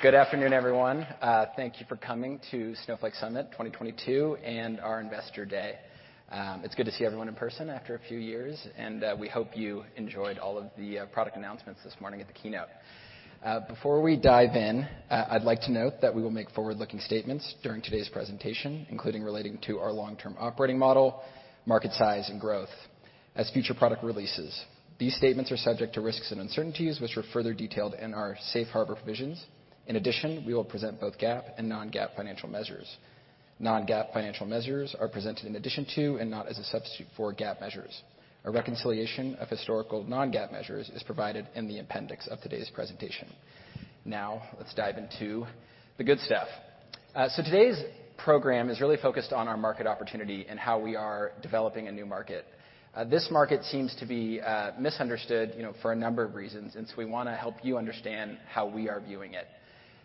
Good afternoon, everyone. Thank you for coming to Snowflake Summit 2022 and our Investor Day. It's good to see everyone in person after a few years, and we hope you enjoyed all of the product announcements this morning at the keynote. Before we dive in, I'd like to note that we will make forward-looking statements during today's presentation, including relating to our long-term operating model, market size and growth as future product releases. These statements are subject to risks and uncertainties, which are further detailed in our Safe Harbor provisions. In addition, we will present both GAAP and non-GAAP financial measures. Non-GAAP financial measures are presented in addition to and not as a substitute for GAAP measures. A reconciliation of historical non-GAAP measures is provided in the appendix of today's presentation. Now, let's dive into the good stuff. Today's program is really focused on our market opportunity and how we are developing a new market. This market seems to be misunderstood, you know, for a number of reasons, and so we wanna help you understand how we are viewing it.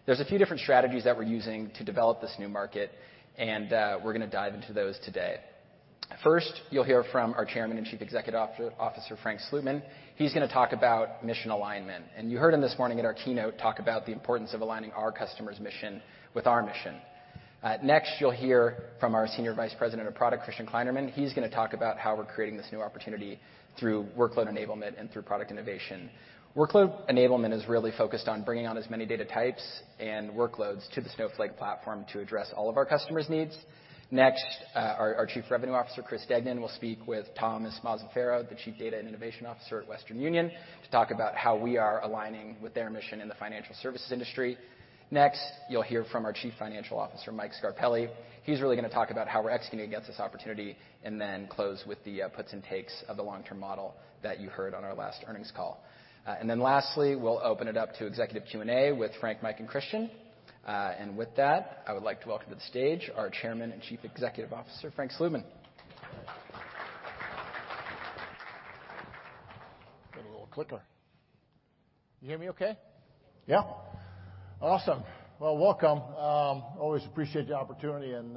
There's a few different strategies that we're using to develop this new market, and we're gonna dive into those today. First, you'll hear from our Chairman and Chief Executive Officer, Frank Slootman. He's gonna talk about mission alignment. You heard him this morning at our keynote talk about the importance of aligning our customer's mission with our mission. Next, you'll hear from our Senior Vice President of Product, Christian Kleinerman. He's gonna talk about how we're creating this new opportunity through workload enablement and through product innovation. Workload enablement is really focused on bringing on as many data types and workloads to the Snowflake platform to address all of our customers' needs. Next, our Chief Revenue Officer, Chris Degnan, will speak with Thomas Mazzaferro, the Chief Data and Innovation Officer at Western Union, to talk about how we are aligning with their mission in the financial services industry. Next, you'll hear from our Chief Financial Officer, Mike Scarpelli. He's really gonna talk about how we're executing against this opportunity and then close with the puts and takes of the long-term model that you heard on our last earnings call. Lastly, we'll open it up to executive Q&A with Frank, Mike, and Christian. With that, I would like to welcome to the stage our Chairman and Chief Executive Officer, Frank Slootman. Well, welcome. Always appreciate the opportunity and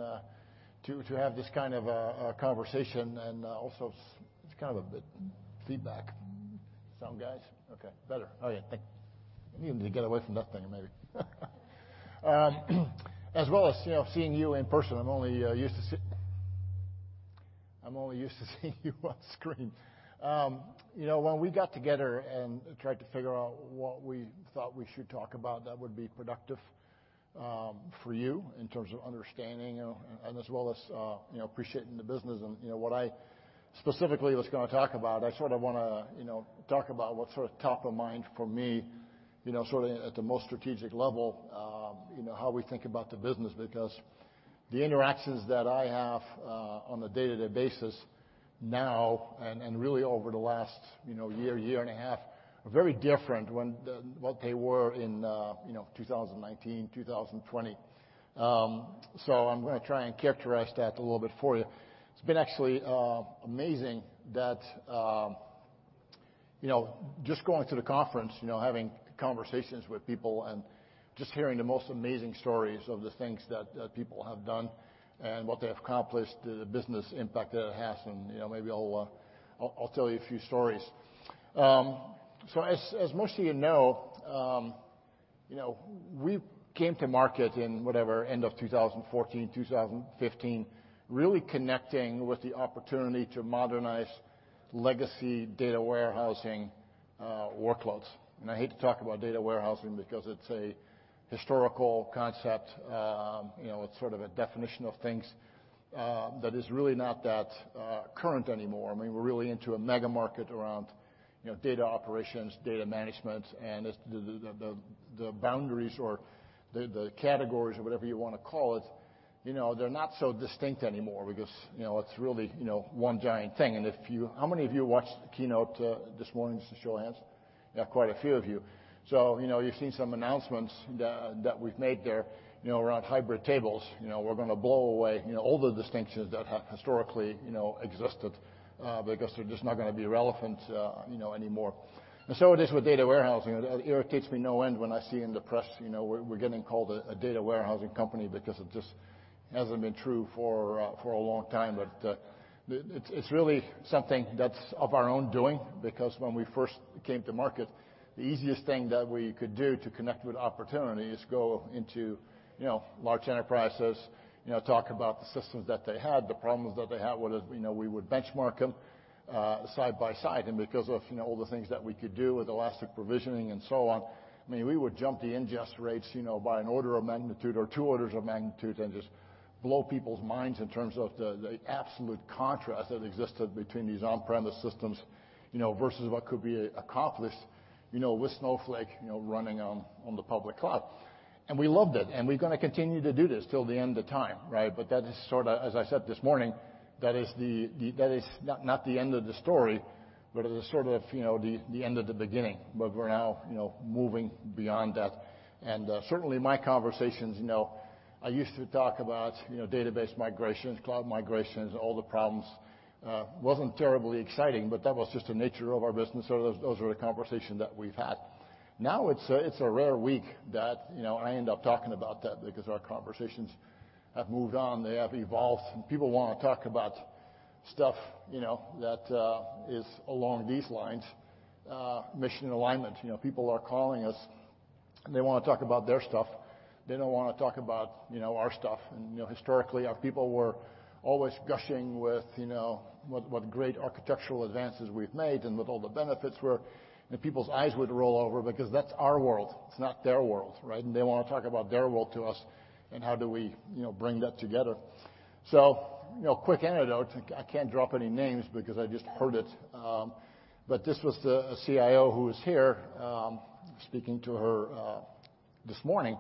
to have this kind of conversation. As well as, you know, seeing you in person, I'm only used to seeing you on screen. You know, when we got together and tried to figure out what we thought we should talk about that would be productive for you in terms of understanding, you know, and as well as you know appreciating the business and you know what I specifically was gonna talk about, I sort of wanna you know talk about what's sort of top of mind for me, you know, sort of at the most strategic level you know how we think about the business. Because the interactions that I have on a day-to-day basis now and really over the last year, year and a half are very different from what they were in 2019, 2020. I'm gonna try and characterize that a little bit for you. It's been actually amazing that you know just going to the conference you know having conversations with people and just hearing the most amazing stories of the things that people have done and what they have accomplished the business impact that it has and you know maybe I'll tell you a few stories. So as most of you know you know we came to market in whatever end of 2014, 2015 really connecting with the opportunity to modernize legacy data warehousing workloads. I hate to talk about data warehousing because it's a historical concept. You know it's sort of a definition of things that is really not that current anymore. I mean, we're really into a mega market around, you know, data operations, data management, and it's the boundaries or the categories or whatever you wanna call it, you know, they're not so distinct anymore because, you know, it's really, you know, one giant thing. How many of you watched the keynote this morning? Just a show of hands. Yeah, quite a few of you. You know, you've seen some announcements that we've made there, you know, around Hybrid Tables. You know, we're gonna blow away, you know, all the distinctions that historically, you know, existed, you know, anymore. It is with data warehousing. It irritates me to no end when I see in the press, you know, we're getting called a data warehousing company because it just hasn't been true for a long time. It's really something that's of our own doing, because when we first came to market, the easiest thing that we could do to connect with opportunity is go into large enterprises, you know, talk about the systems that they had, the problems that they had, whether, you know, we would benchmark them side-by-side. Because of, you know, all the things that we could do with elastic provisioning and so on, I mean, we would jump the ingest rates, you know, by an order of magnitude or two orders of magnitude and just blow people's minds in terms of the absolute contrast that existed between these on-premise systems, you know, versus what could be accomplished, you know, with Snowflake, you know, running on the public cloud. We loved it, and we're gonna continue to do this till the end of time, right? That is sorta, as I said this morning, that is not the end of the story. It was sort of, you know, the end of the beginning. We're now, you know, moving beyond that. Certainly my conversations, you know, I used to talk about, you know, database migrations, cloud migrations, all the problems. Wasn't terribly exciting, but that was just the nature of our business. Those were the conversation that we've had. Now, it's a rare week that, you know, I end up talking about that because our conversations have moved on, they have evolved, and people wanna talk about stuff, you know, that is along these lines, mission alignment. You know, people are calling us, and they wanna talk about their stuff. They don't wanna talk about, you know, our stuff. You know, historically, our people were always gushing with, you know, what great architectural advances we've made and what all the benefits were. People's eyes would roll over because that's our world, it's not their world, right? They wanna talk about their world to us, and how do we, you know, bring that together. You know, quick anecdote. I can't drop any names because I just heard it. This was a CIO who was here, speaking to her this morning.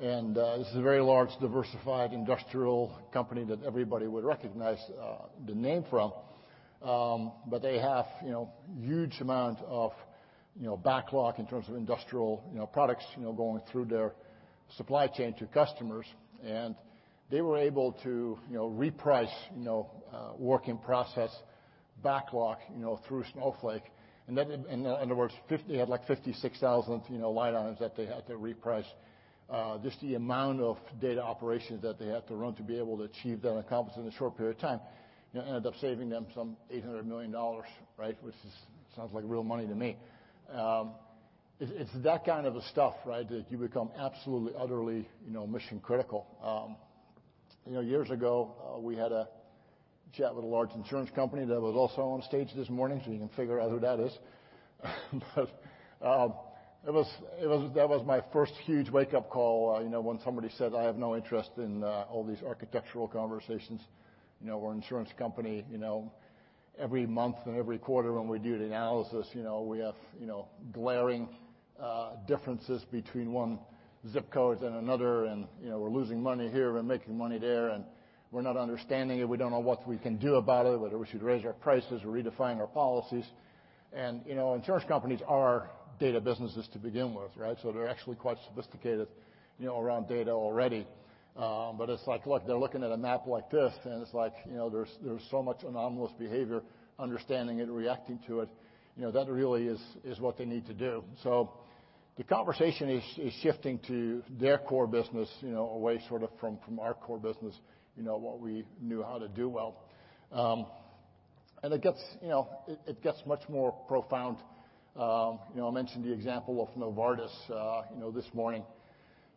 This is a very large diversified industrial company that everybody would recognize the name from. They have you know, huge amount of you know, backlog in terms of industrial you know, products you know, going through their supply chain to customers. They were able to you know, reprice you know, work in process backlog you know, through Snowflake. That in other words had like 56,000 you know, line items that they had to reprice. Just the amount of data operations that they had to run to be able to achieve that accomplishment in a short period of time, you know, ended up saving them some $800 million, right? Which sounds like real money to me. It's that kind of stuff, right, that you become absolutely utterly, you know, mission-critical. You know, years ago, we had a chat with a large insurance company that was also on stage this morning, so you can figure out who that is. That was my first huge wake-up call, you know, when somebody said, "I have no interest in all these architectural conversations. You know, we're an insurance company. You know, every month and every quarter when we do the analysis, you know, we have, you know, glaring differences between one zip code and another. You know, we're losing money here and making money there, and we're not understanding it. We don't know what we can do about it, whether we should raise our prices or redefine our policies. You know, insurance companies are data businesses to begin with, right? They're actually quite sophisticated, you know, around data already. But it's like, look, they're looking at a map like this, and it's like, you know, there's so much anomalous behavior, understanding it, reacting to it. You know, that really is what they need to do. The conversation is shifting to their core business, you know, away sort of from our core business. You know, what we knew how to do well. It gets, you know, much more profound. You know, I mentioned the example of Novartis, you know, this morning.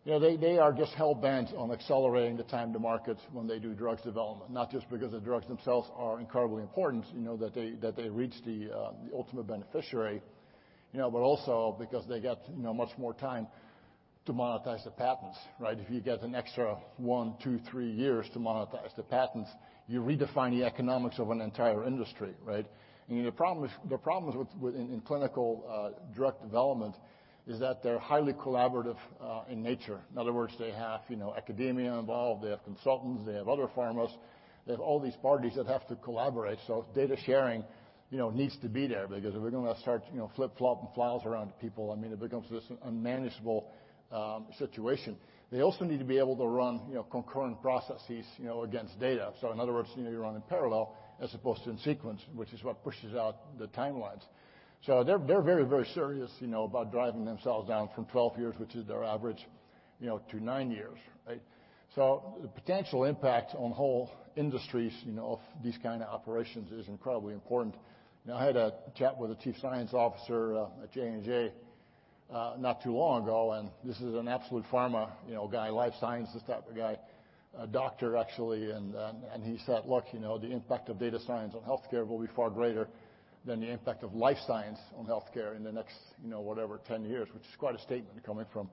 You know, they are just hell-bent on accelerating the time-to-market when they do drug development, not just because the drugs themselves are incredibly important, you know, that they reach the ultimate beneficiary, you know, but also because they get, you know, much more time to monetize the patents, right? If you get an extra one, two, three years to monetize the patents, you redefine the economics of an entire industry, right? The problem is, in clinical drug development is that they're highly collaborative in nature. In other words, they have, you know, academia involved, they have consultants, they have other pharmas. They have all these parties that have to collaborate, so data sharing, you know, needs to be there. Because if we're gonna start, you know, flip-flopping files around to people, I mean, it becomes this unmanageable situation. They also need to be able to run, you know, concurrent processes, you know, against data. In other words, you know, you're running parallel as opposed to in sequence, which is what pushes out the timelines. They're very serious, you know, about driving themselves down from 12 years, which is their average, you know, to nine years, right? The potential impact on whole industries, you know, of these kind of operations is incredibly important. You know, I had a chat with the chief science officer at J&J not too long ago, and this is an absolute pharma, you know, guy, life sciences type of guy, a doctor actually. He said, "Look, you know, the impact of data science on healthcare will be far greater than the impact of life science on healthcare in the next, you know, whatever, 10 years." Which is quite a statement coming from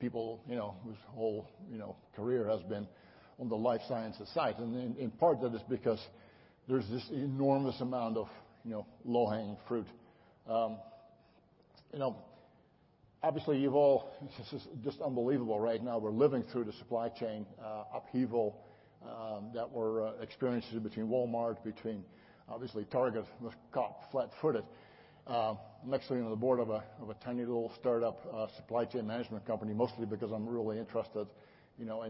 people, you know, whose whole, you know, career has been on the life sciences side. In part that is because there's this enormous amount of, you know, low-hanging fruit. You know, obviously, this is just unbelievable. Right now we're living through the supply chain upheaval that we're experiencing between Walmart, between obviously Target was caught flat-footed. I'm actually on the board of a tiny little startup supply chain management company, mostly because I'm really interested, you know,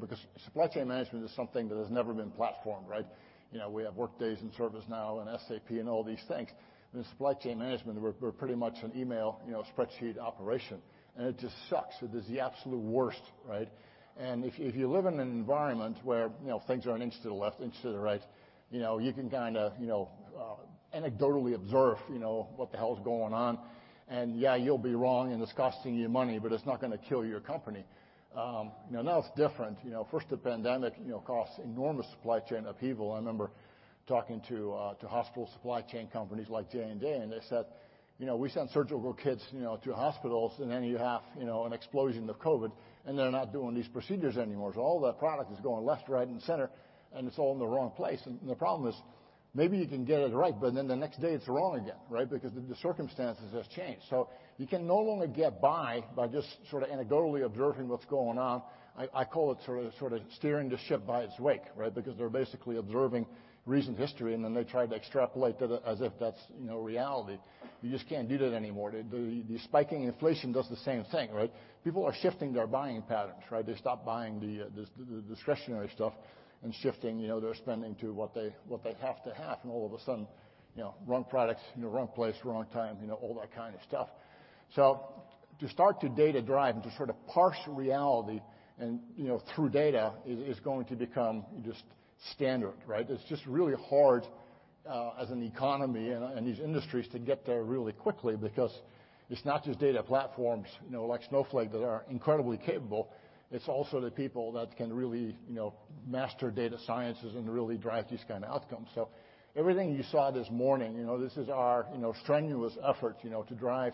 because supply chain management is something that has never been platformed, right? You know, we have Workday and ServiceNow and SAP and all these things. But supply chain management, we're pretty much an email, you know, spreadsheet operation, and it just sucks. It is the absolute worst, right? If you live in an environment where, you know, things are an inch to the left, inch to the right, you know, you can kinda anecdotally observe, you know, what the hell is going on. Yeah, you'll be wrong, and it's costing you money, but it's not gonna kill your company. You know, now it's different. You know, first the pandemic, you know, caused enormous supply chain upheaval. I remember talking to hospital supply chain companies like J&J, and they said, "You know, we send surgical kits, you know, to hospitals, and then you have, you know, an explosion of COVID, and they're not doing these procedures anymore. So all that product is going left, right, and center, and it's all in the wrong place." The problem is maybe you can get it right, but then the next day it's wrong again, right? Because the circumstances have changed. You can no longer get by by just sort of anecdotally observing what's going on. I call it sort of steering the ship by its wake, right? Because they're basically observing recent history, and then they try to extrapolate that as if that's, you know, reality. You just can't do that anymore. The spiking inflation does the same thing, right? People are shifting their buying patterns, right? They stop buying the discretionary stuff and shifting, you know, their spending to what they have to have. All of a sudden, you know, wrong products, you know, wrong place, wrong time, you know, all that kind of stuff. To start to data drive and to sort of parse reality and, you know, through data is going to become just standard, right? It's just really hard as an economy and these industries to get there really quickly because it's not just data platforms, you know, like Snowflake that are incredibly capable. It's also the people that can really, you know, master data sciences and really drive these kind of outcomes. Everything you saw this morning, you know, this is our, you know, strenuous effort, you know, to drive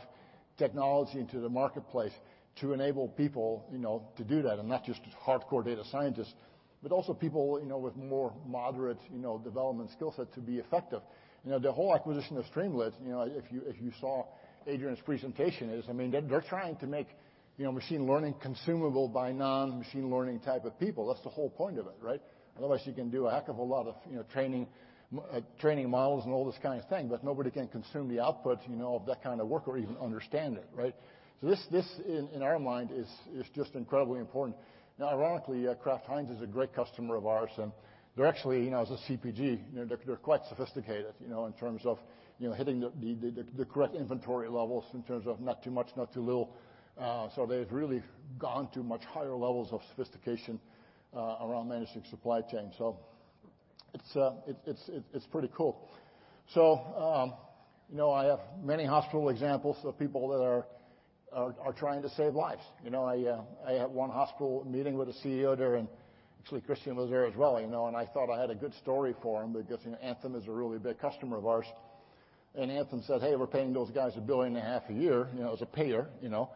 technology into the marketplace to enable people, you know, to do that, and not just hardcore data scientists, but also people, you know, with more moderate, you know, development skill set to be effective. You know, the whole acquisition of Streamlit, you know, if you saw Adrien's presentation is. I mean, they're trying to make, you know, machine learning consumable by non-machine-learning type of people. That's the whole point of it, right? Otherwise, you can do a heck of a lot of, you know, training models and all this kind of thing, but nobody can consume the output, you know, of that kind of work or even understand it, right? This in our mind is just incredibly important. Now, ironically, Kraft Heinz is a great customer of ours, and they're actually, you know, as a CPG, you know, they're quite sophisticated, you know, in terms of, you know, hitting the correct inventory levels in terms of not too much, not too little. They've really gone to much higher levels of sophistication around managing supply chain. It's pretty cool. You know, I have many hospital examples of people that are trying to save lives. You know, I had one hospital meeting with a CEO there, and actually Christian was there as well, you know, and I thought I had a good story for him because, you know, Anthem is a really big customer of ours. Anthem says, "Hey, we're paying those guys $1.5 billion a year, you know, as a payer, you know.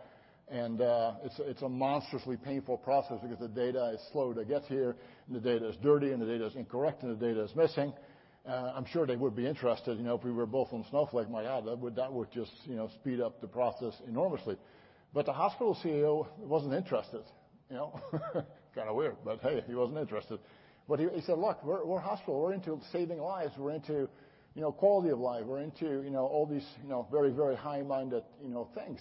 It's a monstrously painful process because the data is slow to get here, and the data is dirty, and the data is incorrect, and the data is missing. I'm sure they would be interested, you know, if we were both on Snowflake. My God, that would just, you know, speed up the process enormously." The hospital CEO wasn't interested, you know. Kinda weird, but hey, he wasn't interested. He said, "Look, we're a hospital. We're into saving lives. We're into, you know, quality of life. We're into, you know, all these, you know, very, very high-minded, you know, things."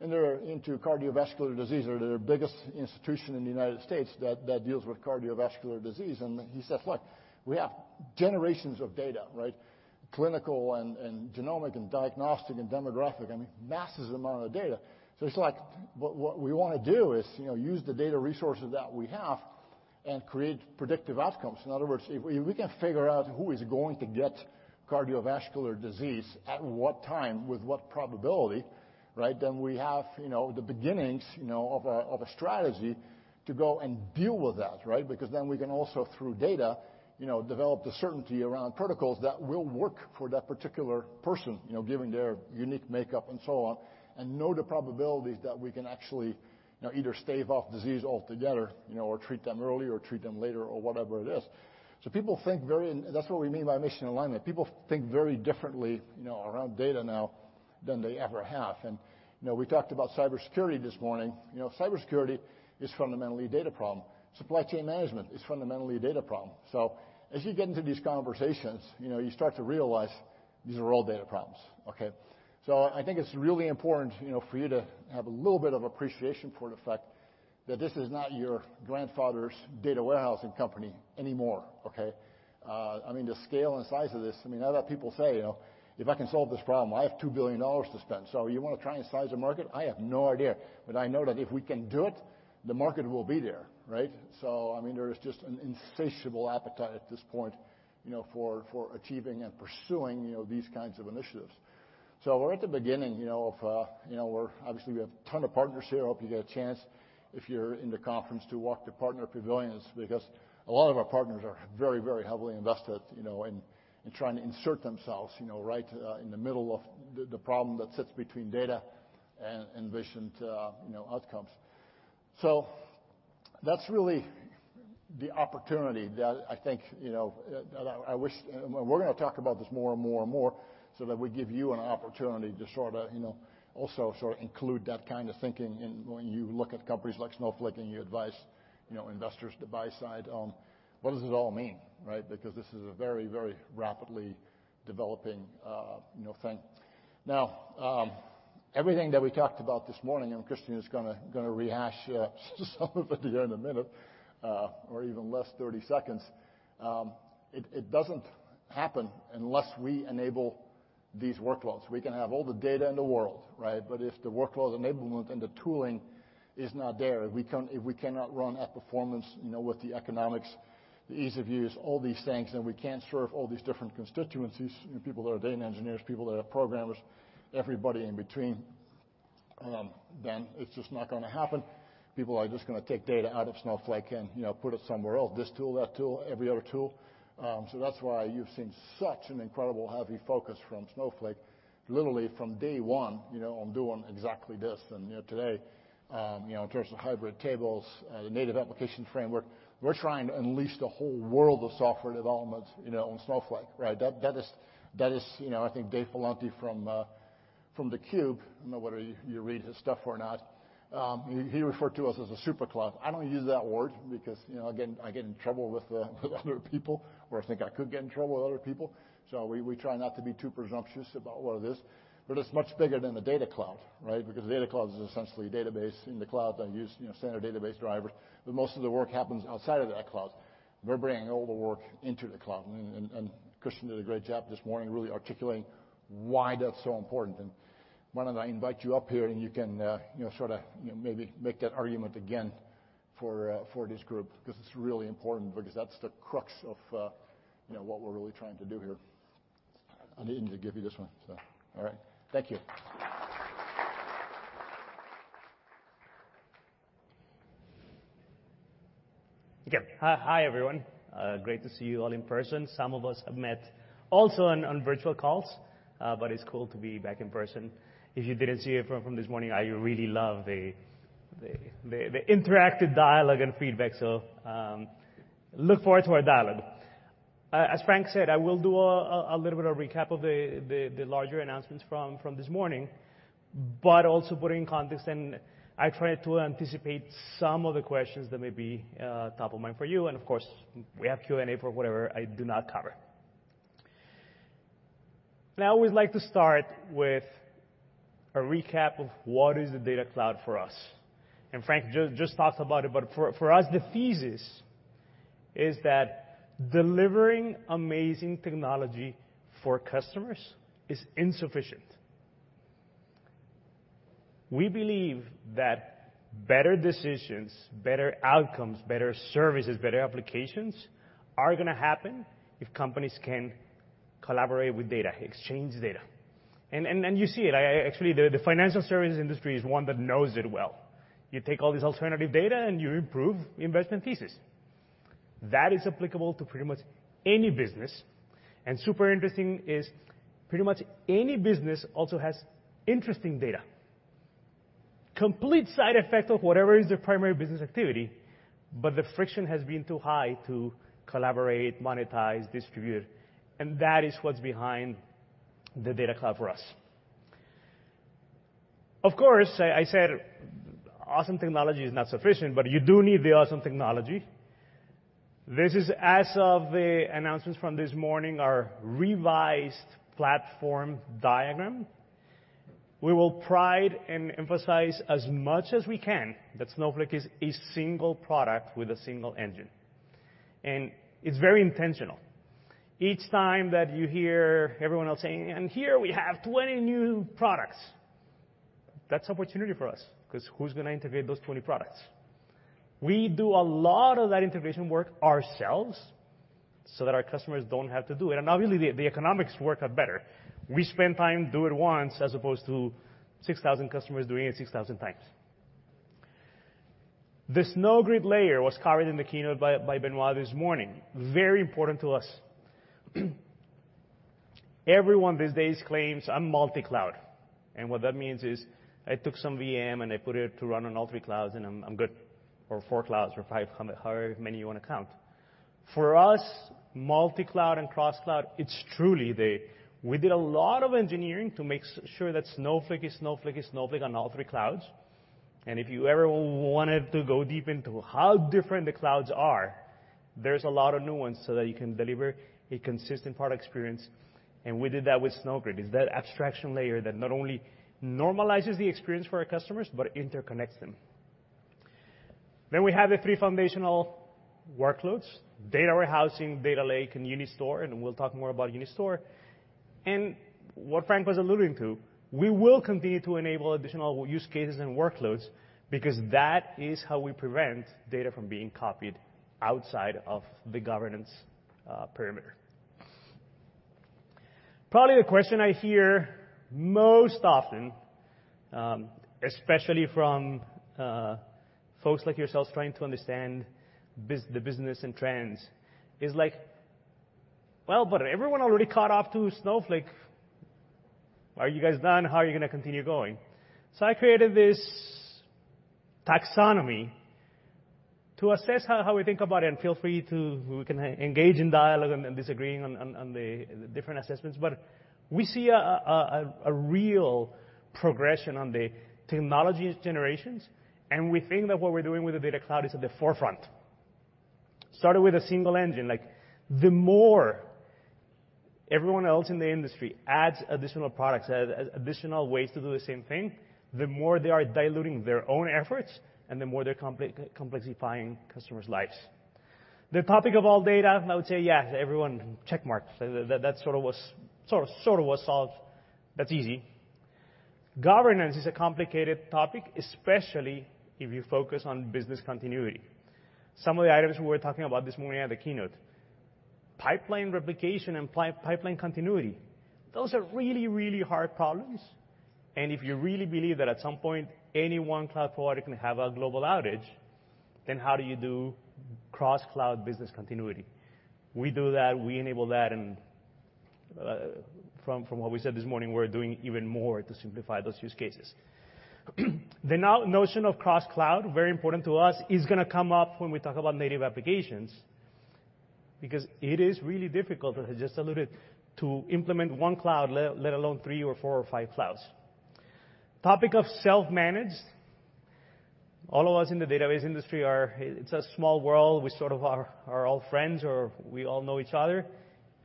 They're into cardiovascular disease. They're the biggest institution in the United States that deals with cardiovascular disease. He says, "Look, we have generations of data, right? Clinical and genomic and diagnostic and demographic. I mean, massive amount of data. It's like, what we wanna do is, you know, use the data resources that we have and create predictive outcomes. In other words, if we can figure out who is going to get cardiovascular disease at what time with what probability, right, then we have, you know, the beginnings, you know, of a strategy to go and deal with that, right? Because then we can also, through data, you know, develop the certainty around protocols that will work for that particular person, you know, given their unique makeup and so on, and know the probabilities that we can actually, you know, either stave off disease altogether, you know, or treat them early or treat them later or whatever it is. That's what we mean by mission alignment. People think very differently, you know, around data now than they ever have. You know, we talked about cybersecurity this morning. You know, cybersecurity is fundamentally a data problem. Supply chain management is fundamentally a data problem. As you get into these conversations, you know, you start to realize these are all data problems, okay? I think it's really important, you know, for you to have a little bit of appreciation for the fact that this is not your grandfather's data warehousing company anymore, okay? I mean, the scale and size of this, I mean, I've had people say, you know, "If I can solve this problem, I have $2 billion to spend." You wanna try and size the market? I have no idea. I know that if we can do it, the market will be there, right? I mean, there is just an insatiable appetite at this point, you know, for achieving and pursuing, you know, these kinds of initiatives. We're at the beginning, you know, of, you know, Obviously, we have a ton of partners here. I hope you get a chance, if you're in the conference, to walk the partner pavilions, because a lot of our partners are very, very heavily invested, you know, in trying to insert themselves, you know, right, in the middle of the problem that sits between data and envisioned, you know, outcomes. That's really the opportunity that I think, you know, we're gonna talk about this more and more and more so that we give you an opportunity to sort of, you know, also sort of include that kind of thinking in when you look at companies like Snowflake and you advise, you know, investors to buy side on what does it all mean, right? Because this is a very, very rapidly developing, you know, thing. Now, everything that we talked about this morning, and Christian is gonna rehash some of it here in a minute, or even less 30 seconds, it doesn't happen unless we enable these workloads. We can have all the data in the world, right? If the workload enablement and the tooling is not there, if we cannot run at performance, you know, with the economics, the ease of use, all these things, and we can't serve all these different constituencies, you know, people that are data engineers, people that are programmers, everybody in between, then it's just not gonna happen. People are just gonna take data out of Snowflake and, you know, put it somewhere else. This tool, that tool, every other tool. That's why you've seen such an incredible heavy focus from Snowflake literally from day one, you know, on doing exactly this. You know, today, in terms of Hybrid Tables, Native Application Framework, we're trying to unleash the whole world of software development, you know, on Snowflake, right? That is. You know, I think Dave Vellante from theCUBE, I don't know whether you read his stuff or not, he referred to us as a supercloud. I don't use that word because, you know, I get in trouble with the other people, or I think I could get in trouble with other people. We try not to be too presumptuous about what it is. It's much bigger than the Data Cloud, right? Because a Data Cloud is essentially a database in the cloud that use, you know, standard database drivers, but most of the work happens outside of that cloud. We're bringing all the work into the cloud. Christian did a great job this morning really articulating why that's so important. Why don't I invite you up here, and you can, you know, sort of, you know, maybe make that argument again for this group, because it's really important because that's the crux of, you know, what we're really trying to do here. I need him to give you this one, so all right. Thank you. Okay. Hi, everyone. Great to see you all in person. Some of us have met also on virtual calls, but it's cool to be back in person. If you didn't see it from this morning, I really love the interactive dialogue and feedback, so look forward to our dialogue. As Frank said, I will do a little bit of recap of the larger announcements from this morning, but also put it in context, and I try to anticipate some of the questions that may be top of mind for you. Of course, we have Q&A for whatever I do not cover. Now, we'd like to start with a recap of what is the Data Cloud for us. Frank just talked about it, but for us, the thesis is that delivering amazing technology for customers is insufficient. We believe that better decisions, better outcomes, better services, better applications are gonna happen if companies can collaborate with data, exchange data. You see it. Actually, the financial services industry is one that knows it well. You take all this alternative data, and you improve investment thesis. That is applicable to pretty much any business. Super interesting is pretty much any business also has interesting data. Complete side effect of whatever is their primary business activity, but the friction has been too high to collaborate, monetize, distribute, and that is what's behind the Data Cloud for us. Of course, I said awesome technology is not sufficient, but you do need the awesome technology. This is as of the announcements from this morning, our revised platform diagram. We will pride and emphasize as much as we can that Snowflake is a single product with a single engine, and it's very intentional. Each time that you hear everyone else saying, "And here we have 20 new products," that's opportunity for us 'cause who's gonna integrate those 20 products? We do a lot of that integration work ourselves so that our customers don't have to do it. Obviously, the economics work out better. We spend time do it once as opposed to 6,000 customers doing it 6,000 times. The Snowgrid layer was covered in the keynote by Benoit this morning. Very important to us. Everyone these days claims, "I'm multi-cloud." What that means is I took some VM, and I put it to run on all three clouds, and I'm good. Or four clouds or five however many you wanna count. For us, multi-cloud and cross-cloud, it's truly— We did a lot of engineering to make sure that Snowflake is Snowflake is Snowflake on all three clouds. If you ever wanted to go deep into how different the clouds are, there's a lot of nuance so that you can deliver a consistent product experience, and we did that with Snowgrid. It's that abstraction layer that not only normalizes the experience for our customers, but interconnects them. We have the three foundational workloads: data warehousing, data lake, and Unistore, and we'll talk more about Unistore. What Frank was alluding to, we will continue to enable additional use cases and workloads because that is how we prevent data from being copied outside of the governance perimeter. Probably the question I hear most often, especially from folks like yourselves trying to understand the business and trends is like, "Well, but everyone already caught up to Snowflake. Are you guys done? How are you gonna continue going?" I created this taxonomy to assess how we think about it, and feel free to. We can engage in dialogue and disagree on the different assessments. But we see a real progression on the technologies generations, and we think that what we're doing with the Data Cloud is at the forefront. Started with a single engine. Like, the more everyone else in the industry adds additional products, additional ways to do the same thing, the more they are diluting their own efforts and the more they're complexifying customers' lives. The topic of all data, I would say yes, everyone check mark. That sort of was solved. That's easy. Governance is a complicated topic, especially if you focus on business continuity. Some of the items we were talking about this morning at the keynote. Pipeline replication and pipeline continuity, those are really, really hard problems. If you really believe that at some point any one cloud product can have a global outage, then how do you do cross-cloud business continuity? We do that. We enable that. From what we said this morning, we're doing even more to simplify those use cases. The notion of cross-cloud, very important to us, is gonna come up when we talk about native applications, because it is really difficult, as I just alluded, to implement one cloud, let alone three or four or five clouds. Topic of self-managed. All of us in the database industry are— It's a small world. We sort of are all friends, or we all know each other.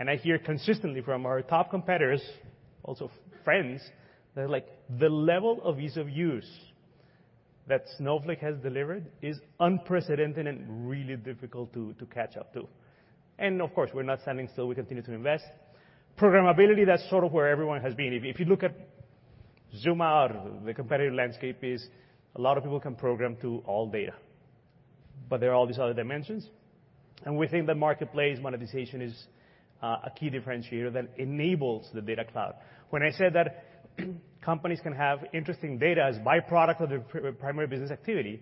I hear consistently from our top competitors, also friends, they're like, "The level of ease of use that Snowflake has delivered is unprecedented and really difficult to catch up to." Of course, we're not standing still. We continue to invest. Programmability, that's sort of where everyone has been. If you look at, zoom out, the competitive landscape is a lot of people can program to all data, but there are all these other dimensions, and we think that marketplace monetization is a key differentiator that enables the Data Cloud. When I say that companies can have interesting data as byproduct of their primary business activity,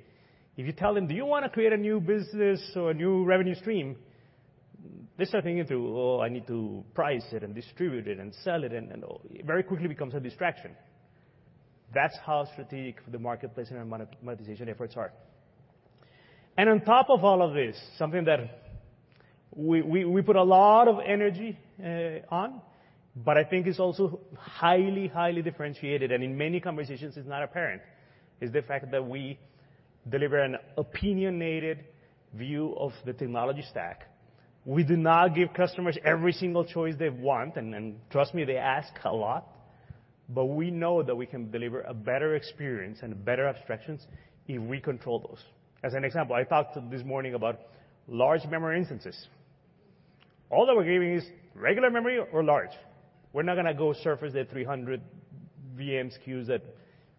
if you tell them, "Do you wanna create a new business or a new revenue stream?" They start thinking through, "Oh, I need to price it and distribute it and sell it, and." It very quickly becomes a distraction. That's how strategic the marketplace and monetization efforts are. On top of all of this, something that we put a lot of energy on, but I think it's also highly, highly differentiated, and in many conversations it's not apparent, is the fact that we deliver an opinionated view of the technology stack. We do not give customers every single choice they want, and trust me, they ask a lot, but we know that we can deliver a better experience and better abstractions if we control those. As an example, I talked this morning about large memory instances. All that we're giving is regular memory or large. We're not gonna go surface the 300 VM SKUs that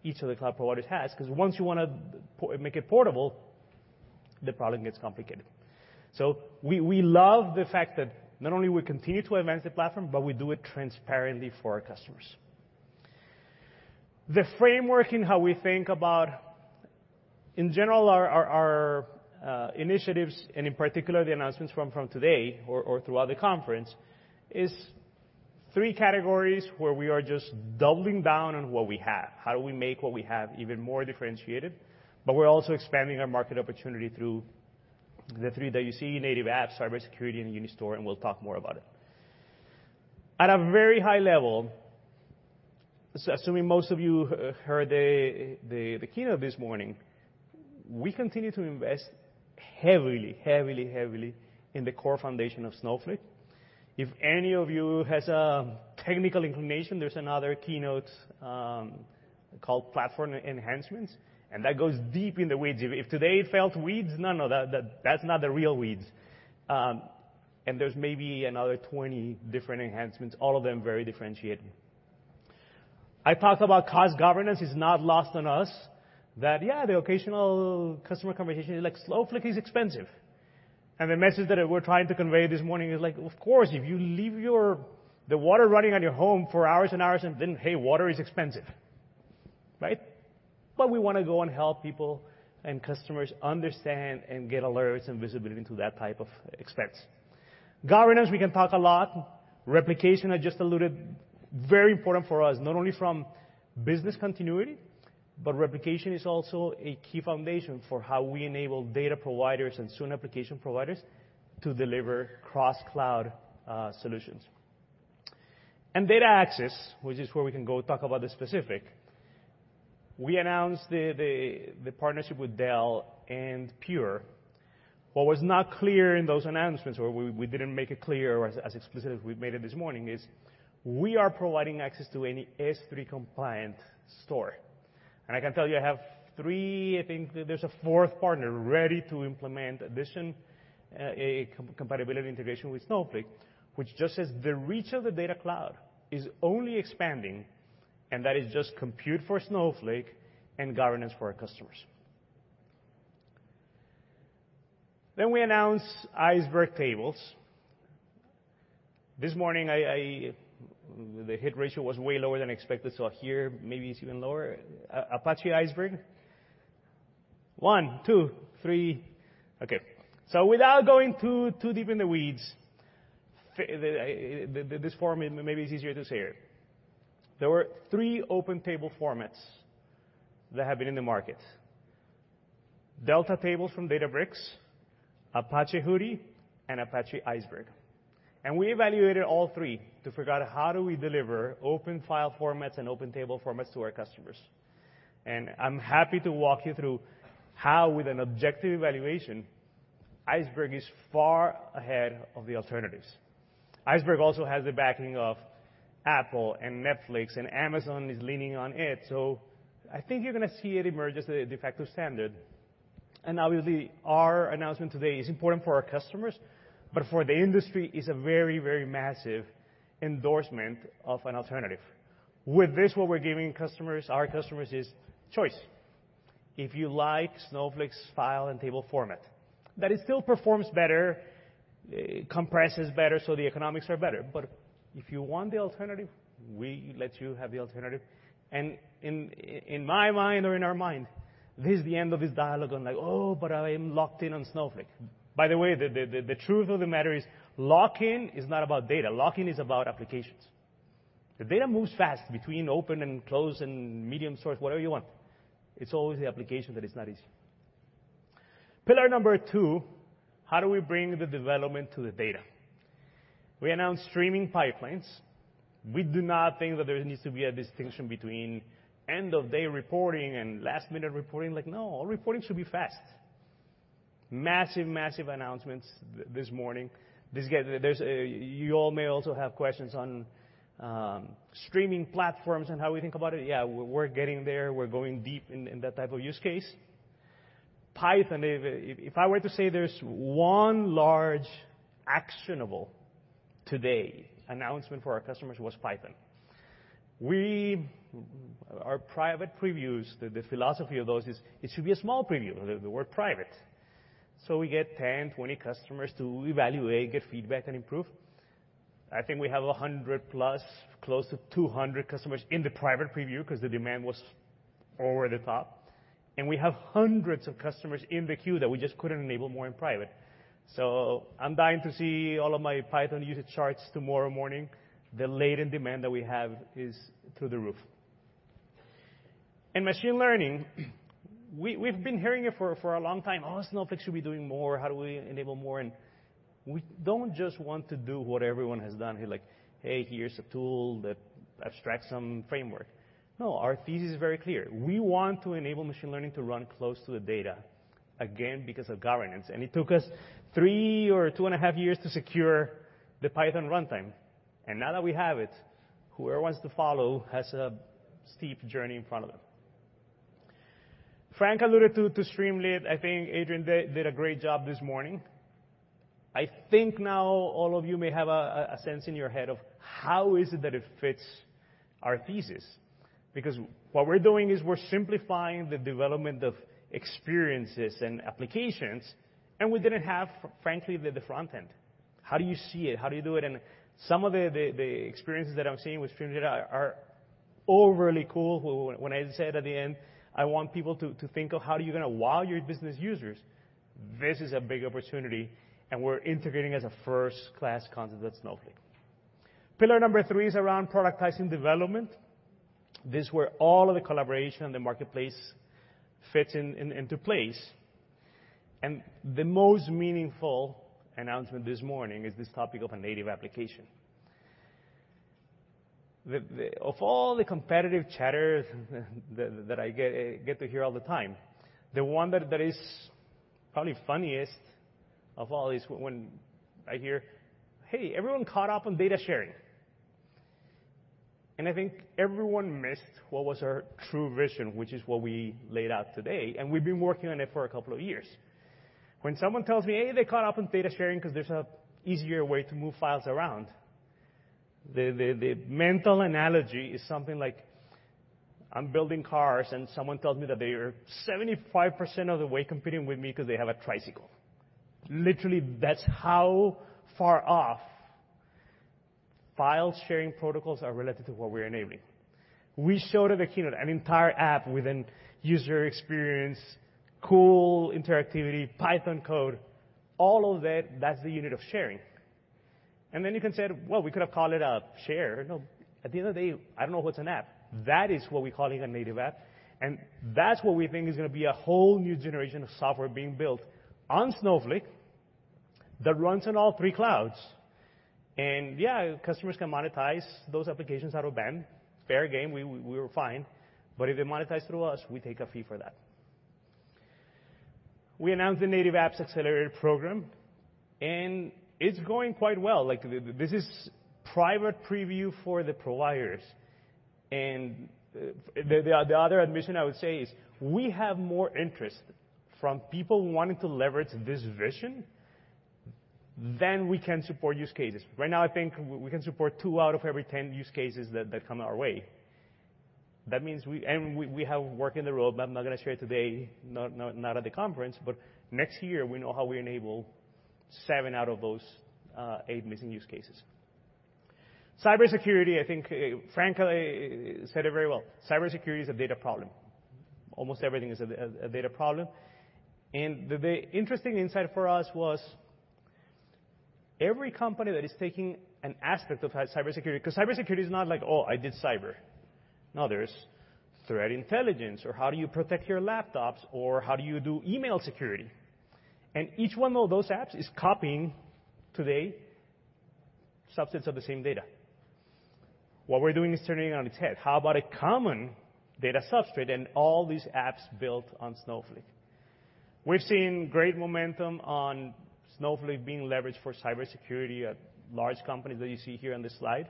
each of the cloud providers has, 'cause once you wanna make it portable, the problem gets complicated. We love the fact that not only we continue to advance the platform, but we do it transparently for our customers. The framework in how we think about, in general, our initiatives, and in particular the announcements from today or throughout the conference, is three categories where we are just doubling down on what we have. How do we make what we have even more differentiated? We're also expanding our market opportunity through the three that you see, native apps, cybersecurity, and Unistore, and we'll talk more about it. At a very high level, assuming most of you heard the keynote this morning, we continue to invest heavily, heavily, heavily in the core foundation of Snowflake. If any of you has a technical inclination, there's another keynote called Platform Enhancements, and that goes deep in the weeds. If today felt weeds, no, that's not the real weeds. There's maybe another 20 different enhancements, all of them very differentiating. I talked about cost governance is not lost on us, yeah, the occasional customer conversation is like, "Snowflake is expensive." The message that we're trying to convey this morning is like, of course, if you leave the water running at your home for hours and hours and then, hey, water is expensive, right? We wanna go and help people and customers understand and get alerts and visibility into that type of expense. Governance, we can talk a lot. Replication, I just alluded, very important for us, not only from business continuity, but replication is also a key foundation for how we enable data providers and soon application providers to deliver cross-cloud solutions. Data access, which is where we can go talk about the specific. We announced the partnership with Dell and Pure. What was not clear in those announcements, or we didn't make it clear as explicit as we've made it this morning, is we are providing access to any S3-compliant store. I can tell you I have three, I think there's a fourth partner ready to implement additional compatibility integration with Snowflake, which just says the reach of the data cloud is only expanding, and that is just compute for Snowflake and governance for our customers. We announce Iceberg Tables this morning. The hit ratio was way lower than expected, so here maybe it's even lower. Apache Iceberg? One, two, three. Okay. Without going too deep in the weeds, this format maybe is easier to say it. There were three open table formats that have been in the market. Delta tables from Databricks, Apache Hudi, and Apache Iceberg. We evaluated all three to figure out how do we deliver open file formats and open table formats to our customers. I'm happy to walk you through how, with an objective evaluation, Iceberg is far ahead of the alternatives. Iceberg also has the backing of Apple and Netflix, and Amazon is leaning on it. I think you're gonna see it emerge as a de facto standard. Obviously, our announcement today is important for our customers, but for the industry is a very massive, massive endorsement of an alternative. With this, what we're giving customers, our customers, is choice. If you like Snowflake's file and table format, that it still performs better, compresses better, so the economics are better. If you want the alternative, we let you have the alternative. In my mind or in our mind, this is the end of this dialogue on like, "Oh, but I'm locked in on Snowflake." By the way, the truth of the matter is lock-in is not about data. Lock-in is about applications. The data moves fast between open and close and medium source, whatever you want. It's always the application that is not easy. Pillar number two, how do we bring the development to the data? We announced streaming pipelines. We do not think that there needs to be a distinction between end-of-day reporting and last-minute reporting. Like, no, all reporting should be fast. Massive announcements this morning. This get— You all may also have questions on streaming platforms and how we think about it. Yeah, we're getting there. We're going deep in that type of use case. Python, if I were to say there's one large actionable today announcement for our customers was Python. Our private previews, the philosophy of those is it should be a small preview, the word private. So we get 10, 20 customers to evaluate, get feedback, and improve. I think we have 100+, close to 200 customers in the private preview because the demand was over the top, and we have hundreds of customers in the queue that we just couldn't enable more in private. So I'm dying to see all of my Python usage charts tomorrow morning. The latent demand that we have is through the roof. In machine learning, we've been hearing it for a long time. Oh, Snowflake should be doing more. How do we enable more? We don't just want to do what everyone has done here. Like, "Hey, here's a tool that abstracts some framework." No, our thesis is very clear. We want to enable machine learning to run close to the data, again, because of governance. It took us three or two and a half years to secure the Python runtime. Now that we have it, whoever wants to follow has a steep journey in front of them. Frank alluded to Streamlit. I think Adrien did a great job this morning. I think now all of you may have a sense in your head of how is it that it fits our thesis? Because what we're doing is we're simplifying the development of experiences and applications, and we didn't have, frankly, the front end. How do you see it? How do you do it? And some of the experiences that I'm seeing with Streamlit are overly cool. When I said at the end, I want people to think of how are you gonna wow your business users, this is a big opportunity, and we're integrating as a first-class concept at Snowflake. Pillar number three is around productizing development. This is where all of the collaboration in the marketplace fits into place. And the most meaningful announcement this morning is this topic of a native application. Of all the competitive chatter that I get to hear all the time, the one that is probably funniest of all is when I hear, "Hey, everyone caught up on data sharing." I think everyone missed what was our true vision, which is what we laid out today, and we've been working on it for a couple of years. When someone tells me, "Hey, they caught up in data sharing because there's an easier way to move files around," the mental analogy is something like I'm building cars, and someone tells me that they are 75% of the way competing with me because they have a tricycle. Literally, that's how far off file-sharing protocols are relative to what we're enabling. We showed at the keynote an entire app with a user experience, cool interactivity, Python code, all of that's the unit of sharing. You can say, "Well, we could have called it a share." No. At the end of the day, I don't know what's an app. That is what we call a native app, and that's what we think is gonna be a whole new generation of software being built on Snowflake that runs on all three clouds. Customers can monetize those applications out-of-band. Fair game. We were fine. If they monetize through us, we take a fee for that. We announced the Native Apps Accelerator program, and it's going quite well. This is private preview for the providers. The other admission I would say is we have more interest from people wanting to leverage this vision than we can support use cases. Right now, I think we can support two out of every 10 use cases that come our way. That means we have work on the roadmap, but I'm not gonna share it today, not at the conference. Next year, we know how we enable seven out of those eight missing use cases. Cybersecurity, I think Frank said it very well. Cybersecurity is a data problem. Almost everything is a data problem. The interesting insight for us was every company that is taking an aspect of cybersecurity, because cybersecurity is not like, "Oh, I did cyber." No, there's threat intelligence or how do you protect your laptops or how do you do email security. Each one of those apps is copying today subsets of the same data. What we're doing is turning it on its head. How about a common data substrate and all these apps built on Snowflake? We've seen great momentum on Snowflake being leveraged for cybersecurity at large companies that you see here on this slide.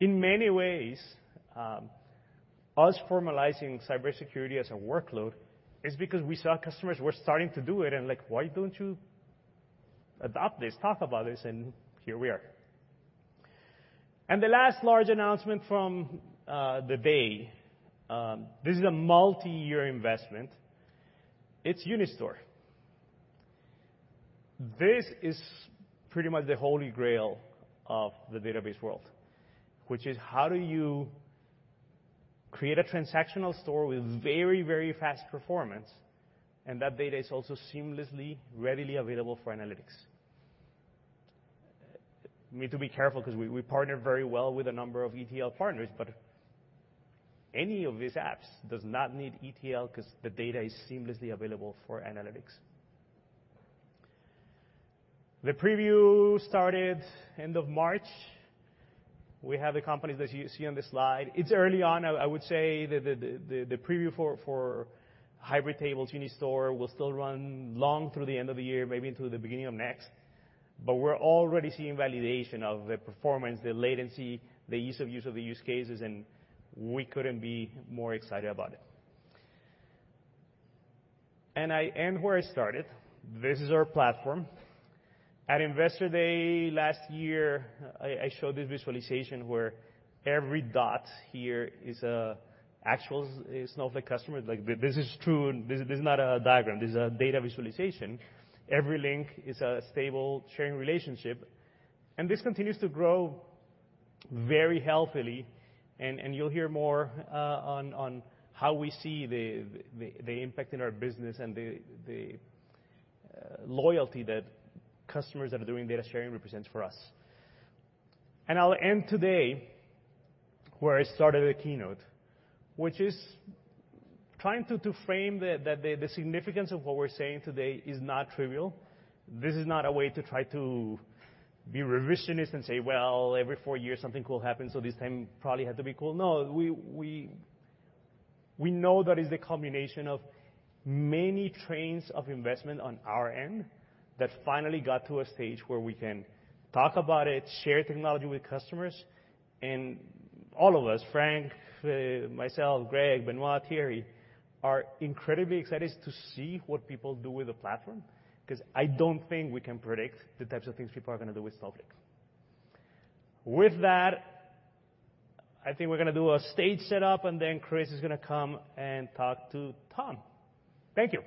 In many ways, us formalizing cybersecurity as a workload is because we saw customers were starting to do it and like, "Why don't you adopt this, talk about this?" Here we are. The last large announcement from the day, this is a multi-year investment. It's Unistore. This is pretty much the holy grail of the database world, which is how do you create a transactional store with very, very fast performance, and that data is also seamlessly, readily available for analytics? We need to be careful because we partner very well with a number of ETL partners, but any of these apps does not need ETL because the data is seamlessly available for analytics. The preview started end of March. We have the companies that you see on this slide. It's early on. I would say the preview for Hybrid Tables Unistore will still run long through the end of the year, maybe into the beginning of next. We're already seeing validation of the performance, the latency, the ease of use of the use cases, and we couldn't be more excited about it. I end where I started. This is our platform. At Investor Day last year, I showed this visualization where every dot here is an actual Snowflake customer. Like, this is true. This is not a diagram. This is a data visualization. Every link is a stable sharing relationship, and this continues to grow very healthily, and you'll hear more on how we see the impact in our business and the loyalty that customers that are doing data sharing represents for us. I'll end today where I started the keynote, which is trying to frame the significance of what we're saying today is not trivial. This is not a way to try to be revisionist and say, "Well, every four years something cool happens, so this time probably had to be cool." No. We know that it is the combination of many years of investment on our end that finally got to a stage where we can talk about it, share technology with customers, and all of us, Frank, myself, Greg, Benoit, Thierry, are incredibly excited to see what people do with the platform, 'cause I don't think we can predict the types of things people are gonna do with Snowflake. With that, I think we're gonna do a stage setup, and then Chris is gonna come and talk to Tom. Thank you.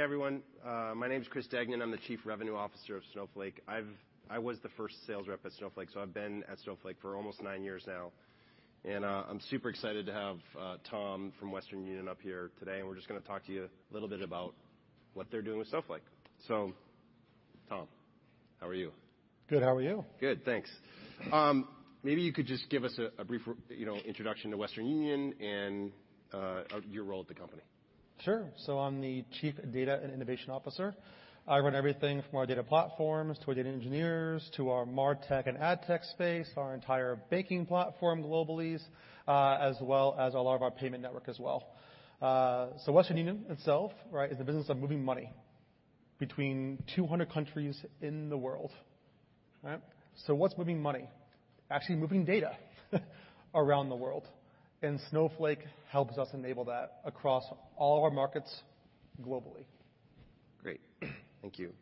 Hey, everyone. My name's Chris Degnan. I'm the Chief Revenue Officer of Snowflake. I was the first sales rep at Snowflake, so I've been at Snowflake for almost nine years now. I'm super excited to have Tom from Western Union up here today, and we're just gonna talk to you a little bit about what they're doing with Snowflake. Tom, how are you? Good. How are you? Good. Thanks. Maybe you could just give us a brief, you know, introduction to Western Union and your role at the company. Sure. I'm the Chief Data and Innovation Officer. I run everything from our data platforms to our data engineers to our martech and adtech space, our entire banking platform globally, as well as a lot of our payment network as well. Western Union itself, right, is a business of moving money between 200 countries in the world. Right? What's moving money? Actually moving data around the world. Snowflake helps us enable that across all of our markets globally. Great. Thank you.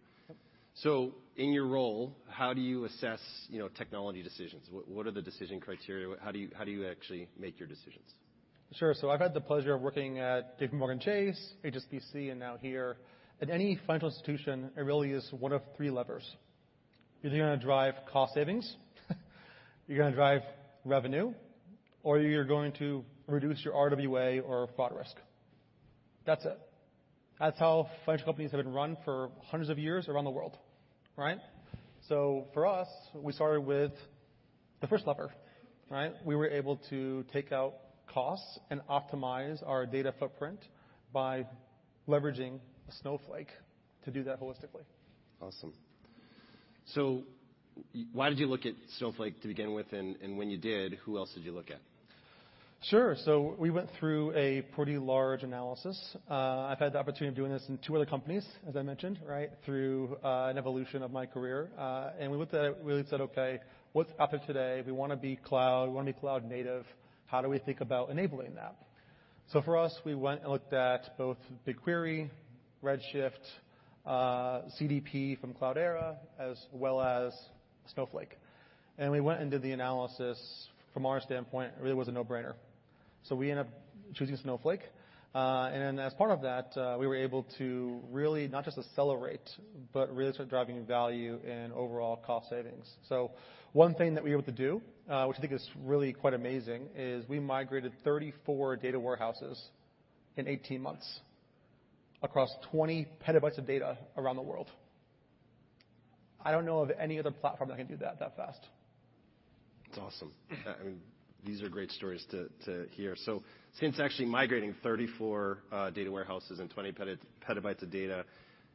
In your role, how do you assess, you know, technology decisions? What are the decision criteria? How do you actually make your decisions? I've had the pleasure of working at JPMorgan Chase, HSBC, and now here. At any financial institution, it really is one of three levers. You're either gonna drive cost savings, you're gonna drive revenue, or you're going to reduce your RWA or fraud risk. That's it. That's how financial companies have been run for hundreds of years around the world, right? For us, we started with the first lever, right? We were able to take out costs and optimize our data footprint by leveraging Snowflake to do that holistically. Awesome. Why did you look at Snowflake to begin with, and when you did, who else did you look at? Sure. We went through a pretty large analysis. I've had the opportunity of doing this in two other companies, as I mentioned, right? Through an evolution of my career. We looked at it. We said, "Okay, what's out there today? We wanna be cloud. We wanna be cloud native. How do we think about enabling that?" For us, we went and looked at both BigQuery, Redshift, CDP from Cloudera, as well as Snowflake. We went and did the analysis. From our standpoint, it really was a no-brainer. We ended up choosing Snowflake. As part of that, we were able to really not just accelerate, but really start driving value and overall cost savings. One thing that we were able to do, which I think is really quite amazing, is we migrated 34 data warehouses in 18 months across 20 PB of data around the world. I don't know of any other platform that can do that fast. That's awesome. I mean, these are great stories to hear. Since actually migrating 34 data warehouses and 20 PB of data,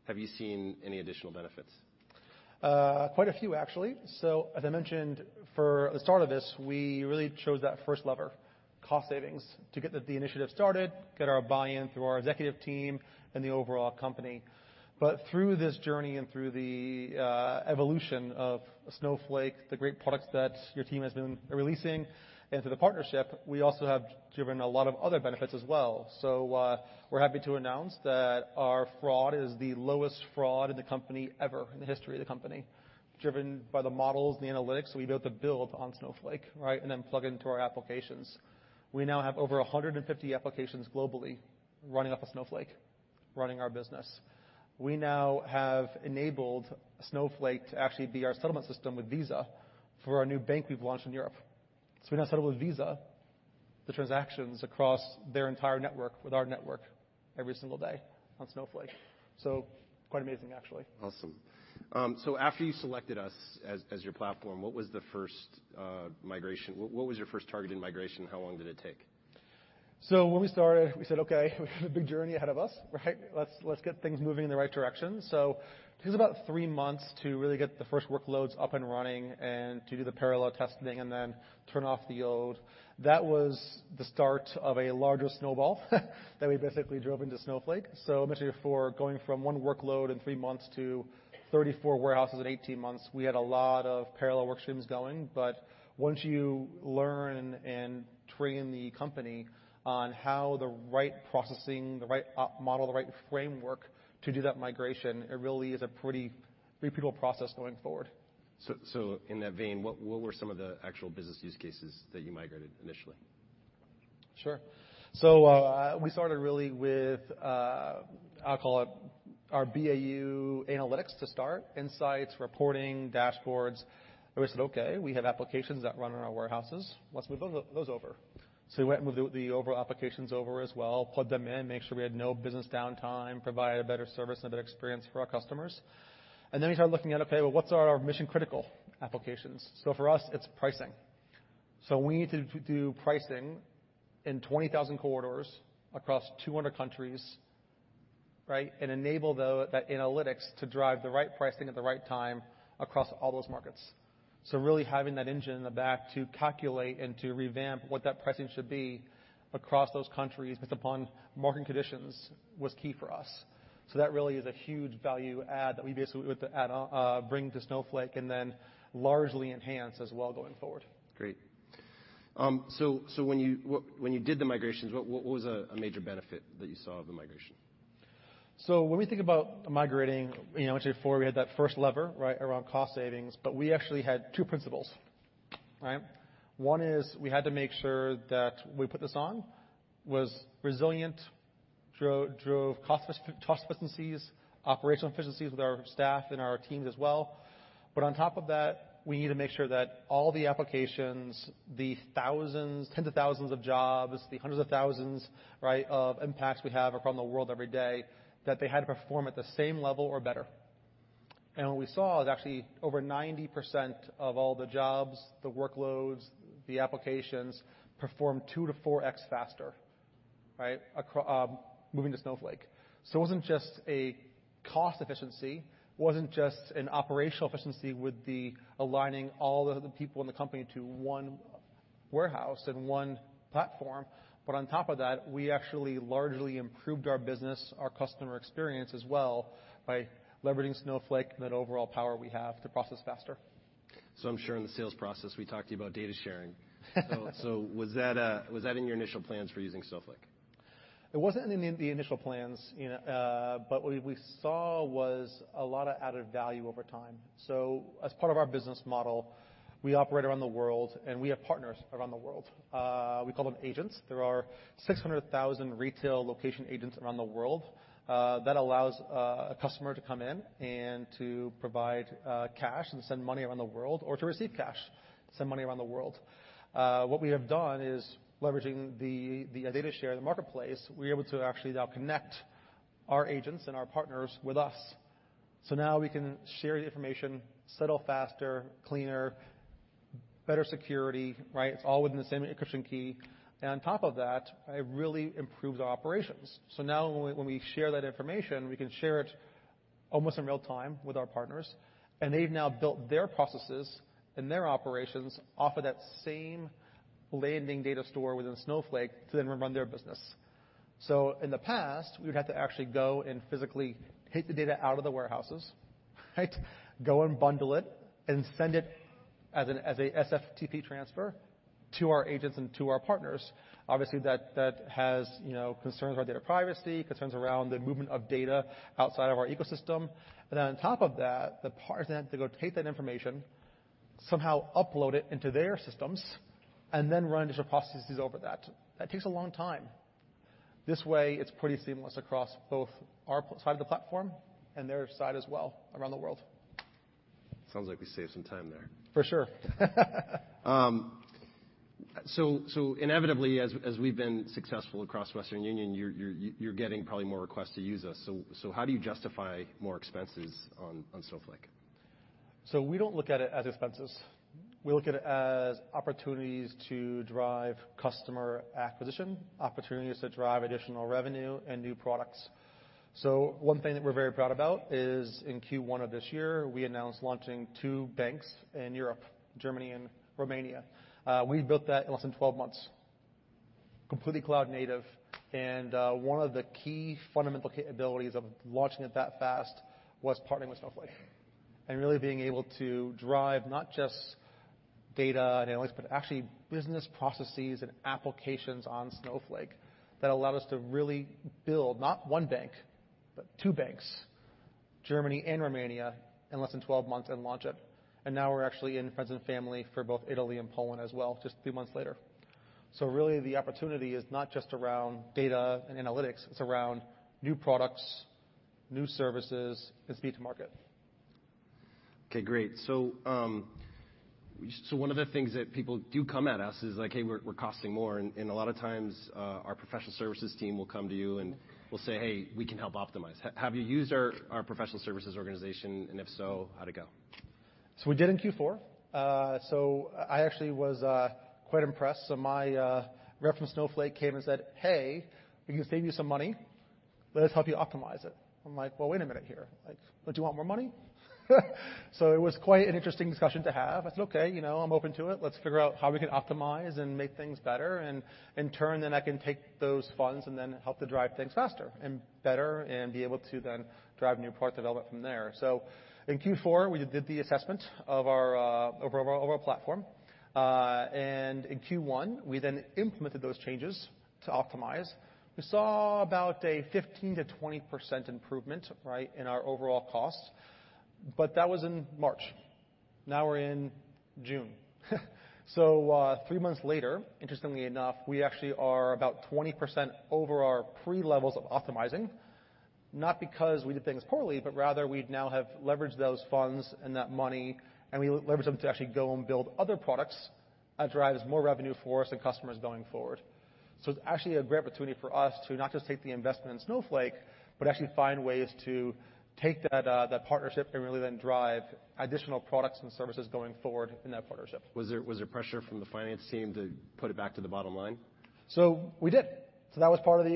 have you seen any additional benefits? Quite a few actually. As I mentioned, for the start of this, we really chose that first lever, cost savings, to get the initiative started, get our buy-in through our executive team and the overall company. Through this journey and through the evolution of Snowflake, the great products that your team has been releasing into the partnership, we also have driven a lot of other benefits as well. We're happy to announce that our fraud is the lowest fraud in the company ever, in the history of the company, driven by the models, the analytics we built to build on Snowflake, right, and then plug into our applications. We now have over 150 applications globally running off of Snowflake, running our business. We now have enabled Snowflake to actually be our settlement system with Visa for our new bank we've launched in Europe. We now settle with Visa. The transactions across their entire network with our network every single day on Snowflake. Quite amazing, actually. Awesome. After you selected us as your platform, what was the first migration? What was your first targeted migration? How long did it take? When we started, we said, "Okay, we have a big journey ahead of us, right? Let's get things moving in the right direction." It takes about three months to really get the first workloads up and running and to do the parallel testing, and then turn off the old. That was the start of a larger snowball that we basically drove into Snowflake. I mentioned before, going from one workload in three months to 34 warehouses in 18 months, we had a lot of parallel work streams going. Once you learn and train the company on how the right processing, the right op model, the right framework to do that migration, it really is a pretty repeatable process going forward. In that vein, what were some of the actual business use cases that you migrated initially? Sure. We started really with, I'll call it our BAU analytics to start, insights, reporting, dashboards. We said, "Okay, we have applications that run in our warehouses. Let's move those over." We went and moved the overall applications over as well, plugged them in, made sure we had no business downtime, provided a better service and a better experience for our customers. Then we started looking at, okay, well, what's our mission-critical applications? For us, it's pricing. We need to do pricing in 20,000 corridors across 200 countries, right? Enable that analytics to drive the right pricing at the right time across all those markets. Really having that engine in the back to calculate and to revamp what that pricing should be across those countries based upon market conditions was key for us. That really is a huge value add that we basically bring to Snowflake, and then largely enhance as well going forward. Great. So when you did the migrations, what was a major benefit that you saw of the migration? When we think about migrating, you know, I mentioned before we had that first lever, right, around cost savings, but we actually had two principles. Right? One is we had to make sure that we put this on was resilient, drove cost efficiencies, operational efficiencies with our staff and our teams as well. On top of that, we need to make sure that all the applications, the thousands, tens of thousands of jobs, the hundreds of thousands, right, of impacts we have around the world every day, that they had to perform at the same level or better. What we saw is actually over 90% of all the jobs, the workloads, the applications, performed 2x-4x faster, right? Moving to Snowflake. It wasn't just a cost efficiency, it wasn't just an operational efficiency with the aligning all the people in the company to one warehouse and one platform. On top of that, we actually largely improved our business, our customer experience as well by leveraging Snowflake and that overall power we have to process faster. I'm sure in the sales process, we talked to you about data sharing. Was that in your initial plans for using Snowflake? It wasn't in the initial plans, you know, but what we saw was a lot of added value over time. As part of our business model, we operate around the world, and we have partners around the world. We call them agents. There are 600,000 retail location agents around the world that allows a customer to come in and to provide cash and send money around the world or to receive cash, send money around the world. What we have done is leveraging the data share, the marketplace, we're able to actually now connect our agents and our partners with us. Now we can share the information, settle faster, cleaner, better security, right? It's all within the same encryption key. On top of that, it really improved our operations. Now when we share that information, we can share it almost in real time with our partners, and they've now built their processes and their operations off of that same landing data store within Snowflake to then run their business. In the past, we would have to actually go and physically take the data out of the warehouses, right? Go and bundle it and send it as a SFTP transfer to our agents and to our partners. Obviously, that has, you know, concerns about data privacy, concerns around the movement of data outside of our ecosystem. Then on top of that, the partners then have to go take that information, somehow upload it into their systems, and then run additional processes over that. That takes a long time. This way, it's pretty seamless across both our side of the platform and their side as well around the world. Sounds like we saved some time there. For sure. Inevitably, as we've been successful across Western Union, you're getting probably more requests to use us. How do you justify more expenses on Snowflake? We don't look at it as expenses. We look at it as opportunities to drive customer acquisition, opportunities to drive additional revenue and new products. One thing that we're very proud about is in Q1 of this year, we announced launching two banks in Europe, Germany and Romania. We built that in less than 12 months, completely cloud native. One of the key fundamental capabilities of launching it that fast was partnering with Snowflake, and really being able to drive not just data analytics, but actually business processes and applications on Snowflake that allowed us to really build not one bank, but two banks, Germany and Romania, in less than 12 months and launch it. Now we're actually in friends and family for both Italy and Poland as well, just three months later. Really, the opportunity is not just around data and analytics, it's around new products, new services, and speed-to-market. Okay, great. One of the things that people do come at us is like, "Hey, we're costing more." A lot of times, our professional services team will come to you and will say, "Hey, we can help optimize." Have you used our professional services organization, and if so, how'd it go? We did in Q4. I actually was quite impressed. My rep from Snowflake came and said, "Hey, we can save you some money. Let us help you optimize it." I'm like, "Well, wait a minute here. Like, do you want more money?" It was quite an interesting discussion to have. I said, "Okay, you know, I'm open to it. Let's figure out how we can optimize and make things better, and in turn, then I can take those funds and then help to drive things faster and better and be able to then drive new product development from there." In Q4, we did the assessment of our platform. In Q1, we then implemented those changes to optimize. We saw about a 15%-20% improvement, right, in our overall costs, but that was in March. Now we're in June. Three months later, interestingly enough, we actually are about 20% over our pre-levels of optimizing, not because we did things poorly, but rather we now have leveraged those funds and that money, and we leveraged them to actually go and build other products that drives more revenue for us and customers going forward. It's actually a great opportunity for us to not just take the investment in Snowflake, but actually find ways to take that partnership and really then drive additional products and services going forward in that partnership. Was there pressure from the finance team to put it back to the bottom line? We did. That was part of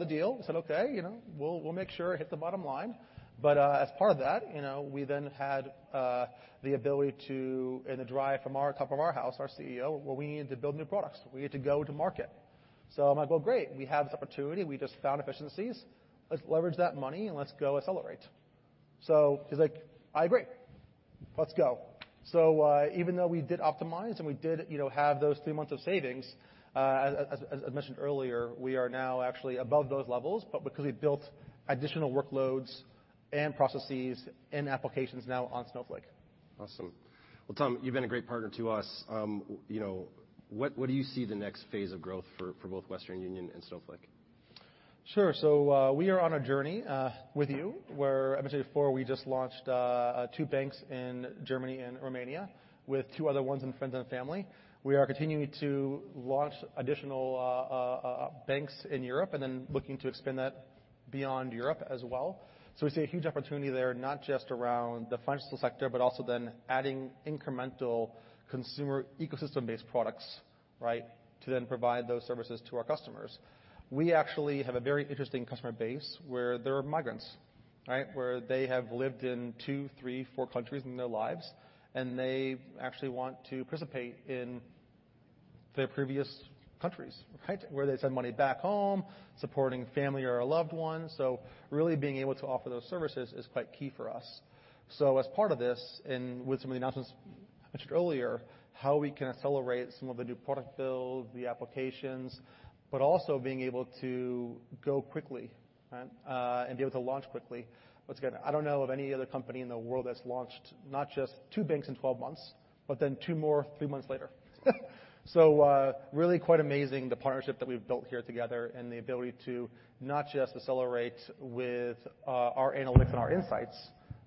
the deal. We said, "Okay, you know, we'll make sure it hit the bottom line." But as part of that, you know, we then had the ability and the drive from our top of our house, our CEO, where we needed to build new products. We needed to go to market. I'm like, "Well, great. We have this opportunity. We just found efficiencies. Let's leverage that money, and let's go accelerate." He's like, "I agree. Let's go." Even though we did optimize, and we did, you know, have those three months of savings, as mentioned earlier, we are now actually above those levels, but because we built additional workloads and processes and applications now on Snowflake. Awesome. Well, Tom, you've been a great partner to us. You know, what do you see the next phase of growth for both Western Union and Snowflake? Sure. We are on a journey with you, where I mentioned before we just launched two banks in Germany and Romania with two other ones in friends and family. We are continuing to launch additional banks in Europe and then looking to expand that beyond Europe as well. We see a huge opportunity there, not just around the financial sector, but also then adding incremental consumer ecosystem-based products, right? To then provide those services to our customers. We actually have a very interesting customer base where there are migrants, right? Where they have lived in two, three, four countries in their lives, and they actually want to participate in their previous countries, right? Where they send money back home, supporting family or a loved one. Really being able to offer those services is quite key for us. As part of this, and with some of the announcements mentioned earlier, how we can accelerate some of the new product build, the applications, but also being able to go quickly, right, and be able to launch quickly. Once again, I don't know of any other company in the world that's launched not just two banks in 12 months, but then two more three months later. Really quite amazing the partnership that we've built here together and the ability to not just accelerate with our analytics and our insights,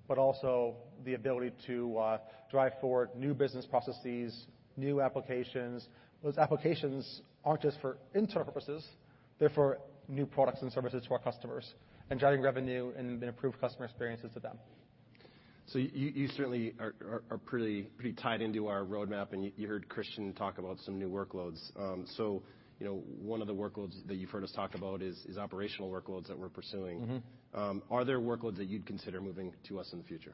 but also the ability to drive forward new business processes, new applications. Those applications aren't just for internal purposes, they're for new products and services to our customers, and driving revenue and improved customer experiences to them. You certainly are pretty tied into our roadmap, and you heard Christian talk about some new workloads. You know, one of the workloads that you've heard us talk about is operational workloads that we're pursuing. Are there workloads that you'd consider moving to us in the future?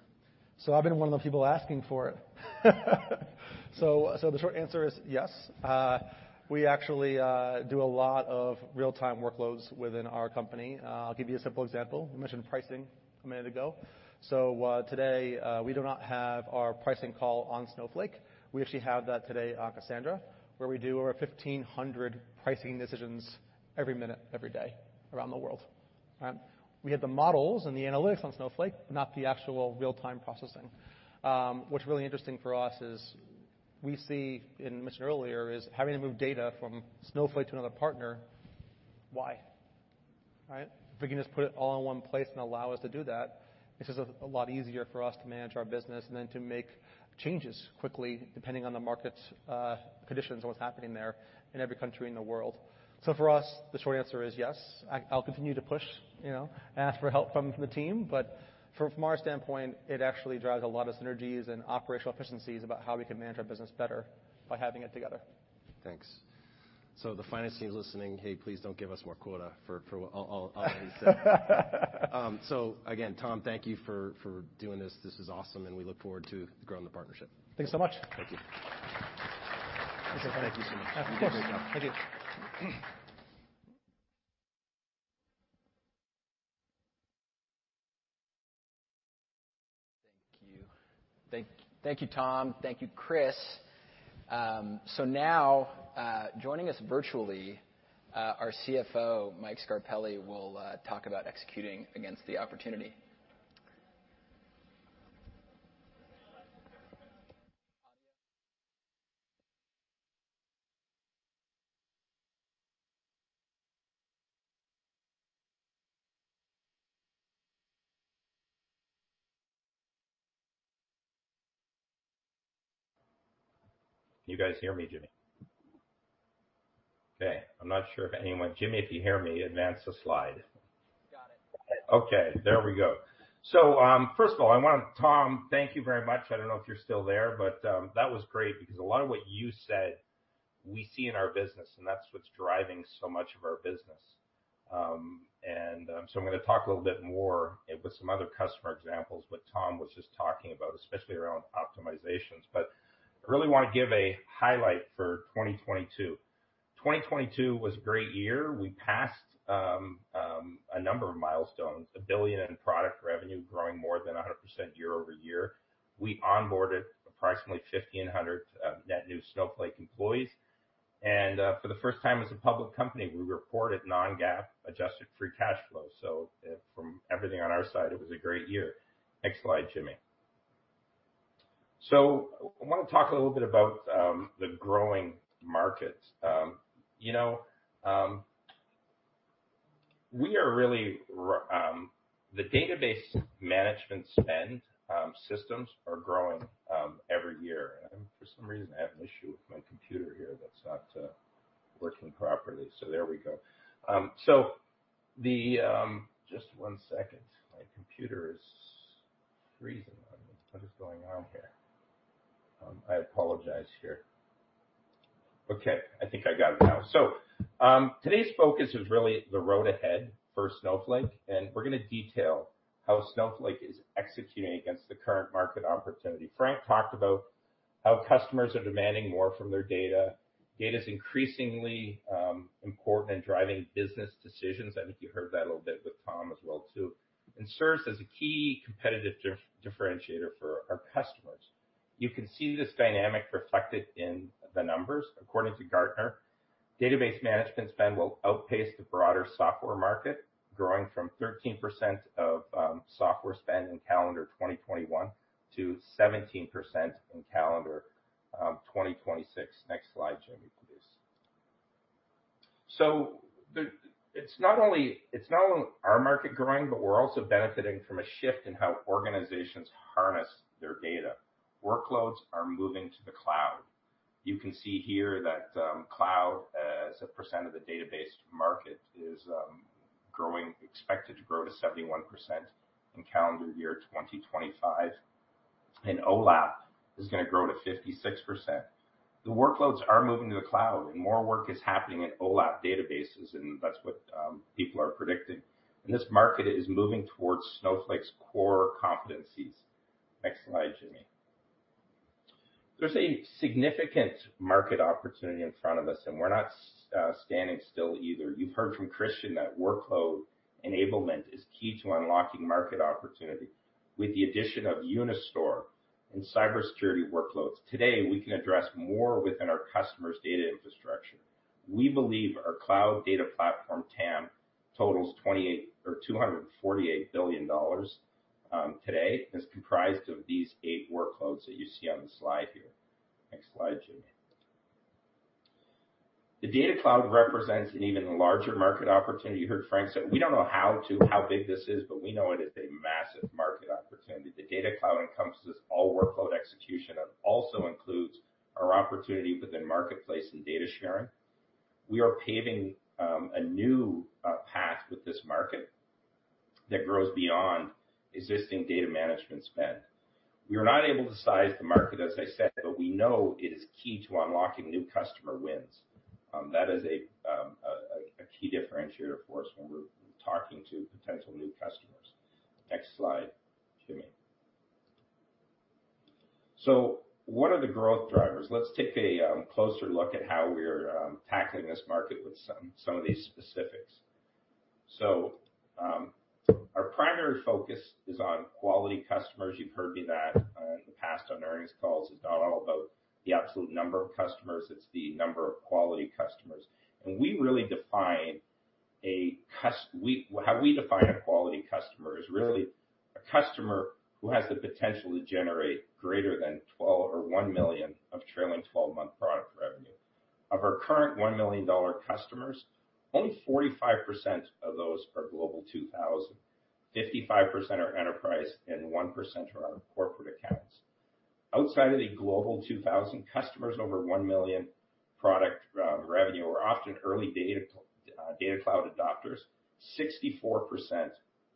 I've been one of the people asking for it. The short answer is yes. We actually do a lot of real-time workloads within our company. I'll give you a simple example. You mentioned pricing a minute ago. Today, we do not have our pricing call on Snowflake. We actually have that today on Cassandra, where we do over 1,500 pricing decisions every minute, every day around the world. Right? We have the models and the analytics on Snowflake, but not the actual real-time processing. What's really interesting for us is we see, and mentioned earlier, is having to move data from Snowflake to another partner, why? Right? If we can just put it all in one place and allow us to do that, it's just a lot easier for us to manage our business and then to make changes quickly depending on the market's conditions and what's happening there in every country in the world. For us, the short answer is yes. I'll continue to push, you know, ask for help from the team. From our standpoint, it actually drives a lot of synergies and operational efficiencies about how we can manage our business better by having it together. Thanks. The finance team listening, hey, please don't give us more quota for what I'll have said. Again, Tom, thank you for doing this. This is awesome, and we look forward to growing the partnership. Thanks so much. Thank you. Thank you, Tom. Thank you, Chris. Now, joining us virtually, our CFO, Mike Scarpelli, will talk about executing against the opportunity. First of all, Tom, thank you very much. I don't know if you're still there, but that was great because a lot of what you said we see in our business, and that's what's driving so much of our business. I'm gonna talk a little bit more with some other customer examples what Tom was just talking about, especially around optimizations. I really wanna give a highlight for 2022. 2022 was a great year. We passed a number of milestones, $1 billion in product revenue, growing more than 100% year-over-year. We onboarded approximately 1,500 net new Snowflake employees. For the first time as a public company, we reported non-GAAP adjusted free cash flow. From everything on our side, it was a great year. Next slide, Jimmy. I wanna talk a little bit about the growing markets. You know, we are really— the database management spend systems are growing every year. Today's focus is really the road ahead for Snowflake, and we're gonna detail how Snowflake is executing against the current market opportunity. Frank talked about how customers are demanding more from their data. Data's increasingly important in driving business decisions. I think you heard that a little bit with Tom as well too, and serves as a key competitive differentiator for our customers. You can see this dynamic reflected in the numbers. According to Gartner, database management spend will outpace the broader software market, growing from 13% of software spend in calendar 2021 to 17% in calendar 2026. Next slide, Jimmy, please. It's not only our market growing, but we're also benefiting from a shift in how organizations harness their data. Workloads are moving to the cloud. You can see here that cloud, as a percent of the database market, is growing, expected to grow to 71% in calendar year 2025, and OLAP is gonna grow to 56%. The workloads are moving to the cloud, and more work is happening in OLAP databases, and that's what people are predicting. This market is moving towards Snowflake's core competencies. Next slide, Jimmy. There's a significant market opportunity in front of us, and we're not standing still either. You've heard from Christian that workload enablement is key to unlocking market opportunity. With the addition of Unistore and cybersecurity workloads, today, we can address more within our customers' data infrastructure. We believe our cloud data platform TAM totals 28— or $248 billion, today, and is comprised of these eight workloads that you see on the slide here. Next slide, Jimmy. The Data Cloud represents an even larger market opportunity. You heard Frank say we don't know how big this is, but we know it is a massive market opportunity. The Data Cloud encompasses all workload execution. It also includes our opportunity within Marketplace and data sharing. We are paving a new path with this market that grows beyond existing data management spend. We are not able to size the market, as I said, but we know it is key to unlocking new customer wins. That is a key differentiator for us when we're talking to potential new customers. Next slide, Jimmy. What are the growth drivers? Let's take a closer look at how we're tackling this market with some of these specifics. Our primary focus is on quality customers. You've heard me that in the past on earnings calls. It's not all about the absolute number of customers, it's the number of quality customers. We really define a customer— How we define a quality customer is really a customer who has the potential to generate greater than 12— or $1 million of trailing 12-month product revenue. Of our current $1 million customers, only 45% of those are Global 2000. 55% are enterprise, and 1% are our corporate accounts. Outside of the Global 2000 customers, over $1 million product revenue are often early Data Cloud adopters. 64%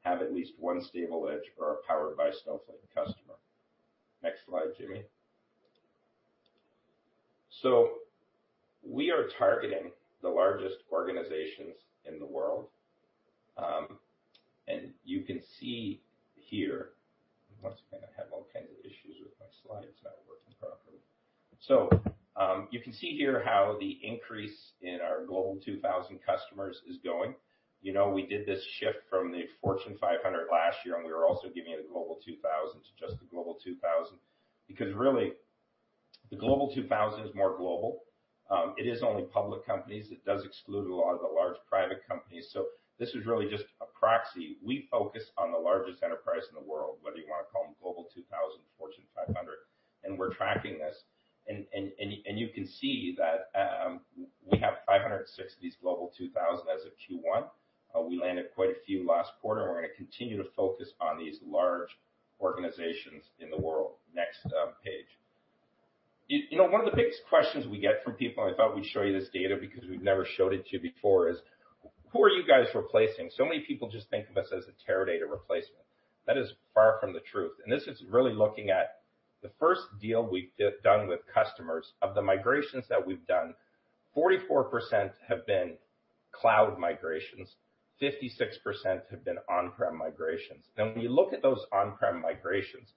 have at least one stable edge or are a Powered by Snowflake customer. Next slide, Jimmy. We are targeting the largest organizations in the world. You can see here how the increase in our Global 2000 customers is going. You know, we did this shift from the Fortune 500 last year, and we were also giving you the Global 2000 to just the Global 2000, because really, the Global 2000 is more global. It is only public companies. It does exclude a lot of the large private companies. This is really just a proxy. We focus on the largest enterprise in the world, whether you wanna call them Global 2000, Fortune 500. We're tracking this. You can see that we have 560 of these Global 2000 as of Q1. We landed quite a few last quarter, and we're gonna continue to focus on these large organizations in the world. Next, page. You know, one of the biggest questions we get from people, and I thought we'd show you this data because we've never showed it to you before, is who are you guys replacing? Many people just think of us as a Teradata replacement. That is far from the truth. This is really looking at the first deal we've done with customers. Of the migrations that we've done, 44% have been cloud migrations, 56% have been on-prem migrations. Now, when you look at those on-prem migrations,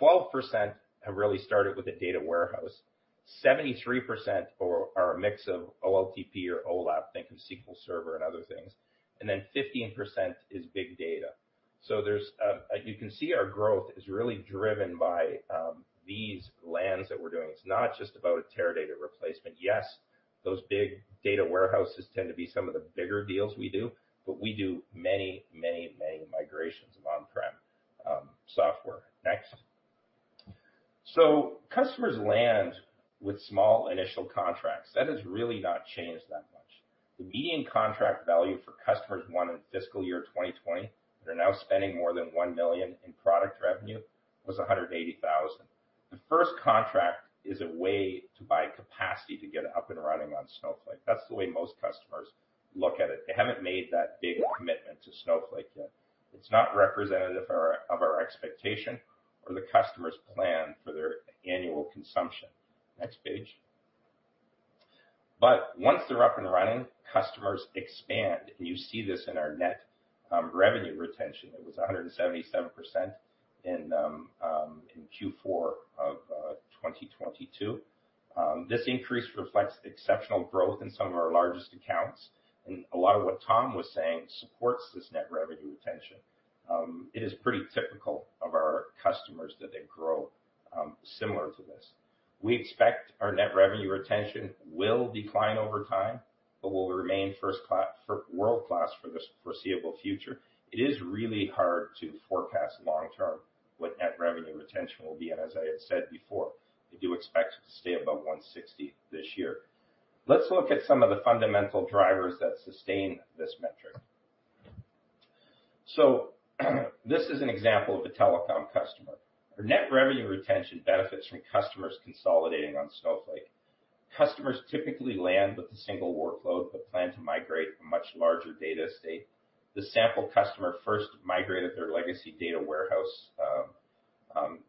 12% have really started with a data warehouse, 73% are a mix of OLTP or OLAP, think of SQL Server and other things, and then 15% is big data. You can see our growth is really driven by these lands that we're doing. It's not just about a Teradata replacement. Yes, those big data warehouses tend to be some of the bigger deals we do, but we do many, many, many migrations of on-prem software. Next. Customers land with small initial contracts. That has really not changed that much. The median contract value for customers won in fiscal year 2020, they're now spending more than $1 million in product revenue, was $180,000. The first contract is a way to buy capacity to get up and running on Snowflake. That's the way most customers look at it. They haven't made that big commitment to Snowflake yet. It's not representative of our expectation or the customer's plan for their annual consumption. Next page. Once they're up and running, customers expand, and you see this in our net revenue retention. It was 177% in Q4 of 2022. This increase reflects the exceptional growth in some of our largest accounts, and a lot of what Tom was saying supports this net revenue retention. It is pretty typical of our customers that they grow similar to this. We expect our net revenue retention will decline over time, but will remain world-class for the foreseeable future. It is really hard to forecast long-term what net revenue retention will be, and as I had said before, we do expect it to stay above 160% this year. Let's look at some of the fundamental drivers that sustain this metric. This is an example of a telecom customer. Their net revenue retention benefits from customers consolidating on Snowflake. Customers typically land with a single workload, but plan to migrate a much larger data estate. The sample customer first migrated their legacy data warehouse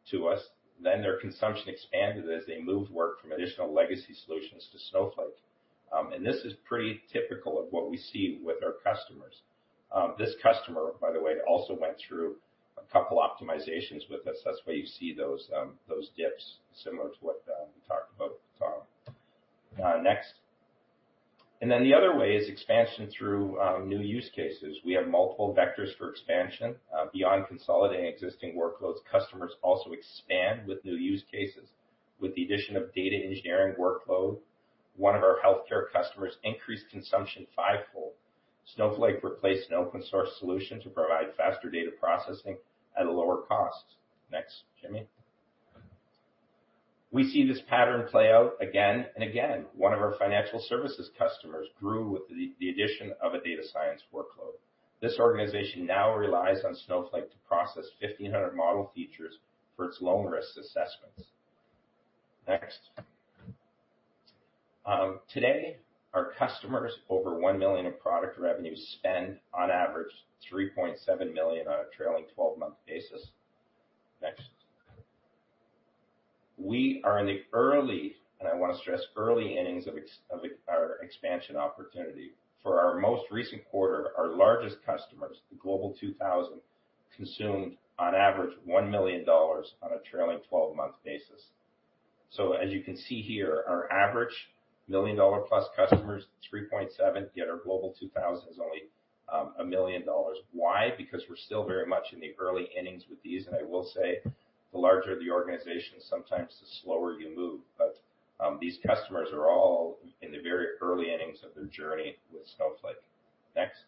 to us, then their consumption expanded as they moved work from additional legacy solutions to Snowflake. This is pretty typical of what we see with our customers. This customer, by the way, also went through a couple optimizations with us. That's why you see those dips similar to what we talked about with Tom. Next. The other way is expansion through new use cases. We have multiple vectors for expansion beyond consolidating existing workloads. Customers also expand with new use cases. With the addition of data engineering workload, one of our healthcare customers increased consumption five-fold. Snowflake replaced an open source solution to provide faster data processing at a lower cost. Next, Jimmy. We see this pattern play out again and again. One of our financial services customers grew with the addition of a data science workload. This organization now relies on Snowflake to process 1,500 model features for its loan risk assessments. Next. Today, our customers over $1 million in product revenue spend on average $3.7 million on a trailing 12-month basis. Next. We are in the early innings of our expansion opportunity, and I want to stress early. For our most recent quarter, our largest customers, the Global 2000, consumed on average $1 million on a trailing 12-month basis. As you can see here, our average million-dollar-plus customers, $3.7 million, yet our Global 2000 is only a million dollars. Why? Because we're still very much in the early innings with these, and I will say the larger the organization, sometimes the slower you move. These customers are all in the very early innings of their journey with Snowflake. Next.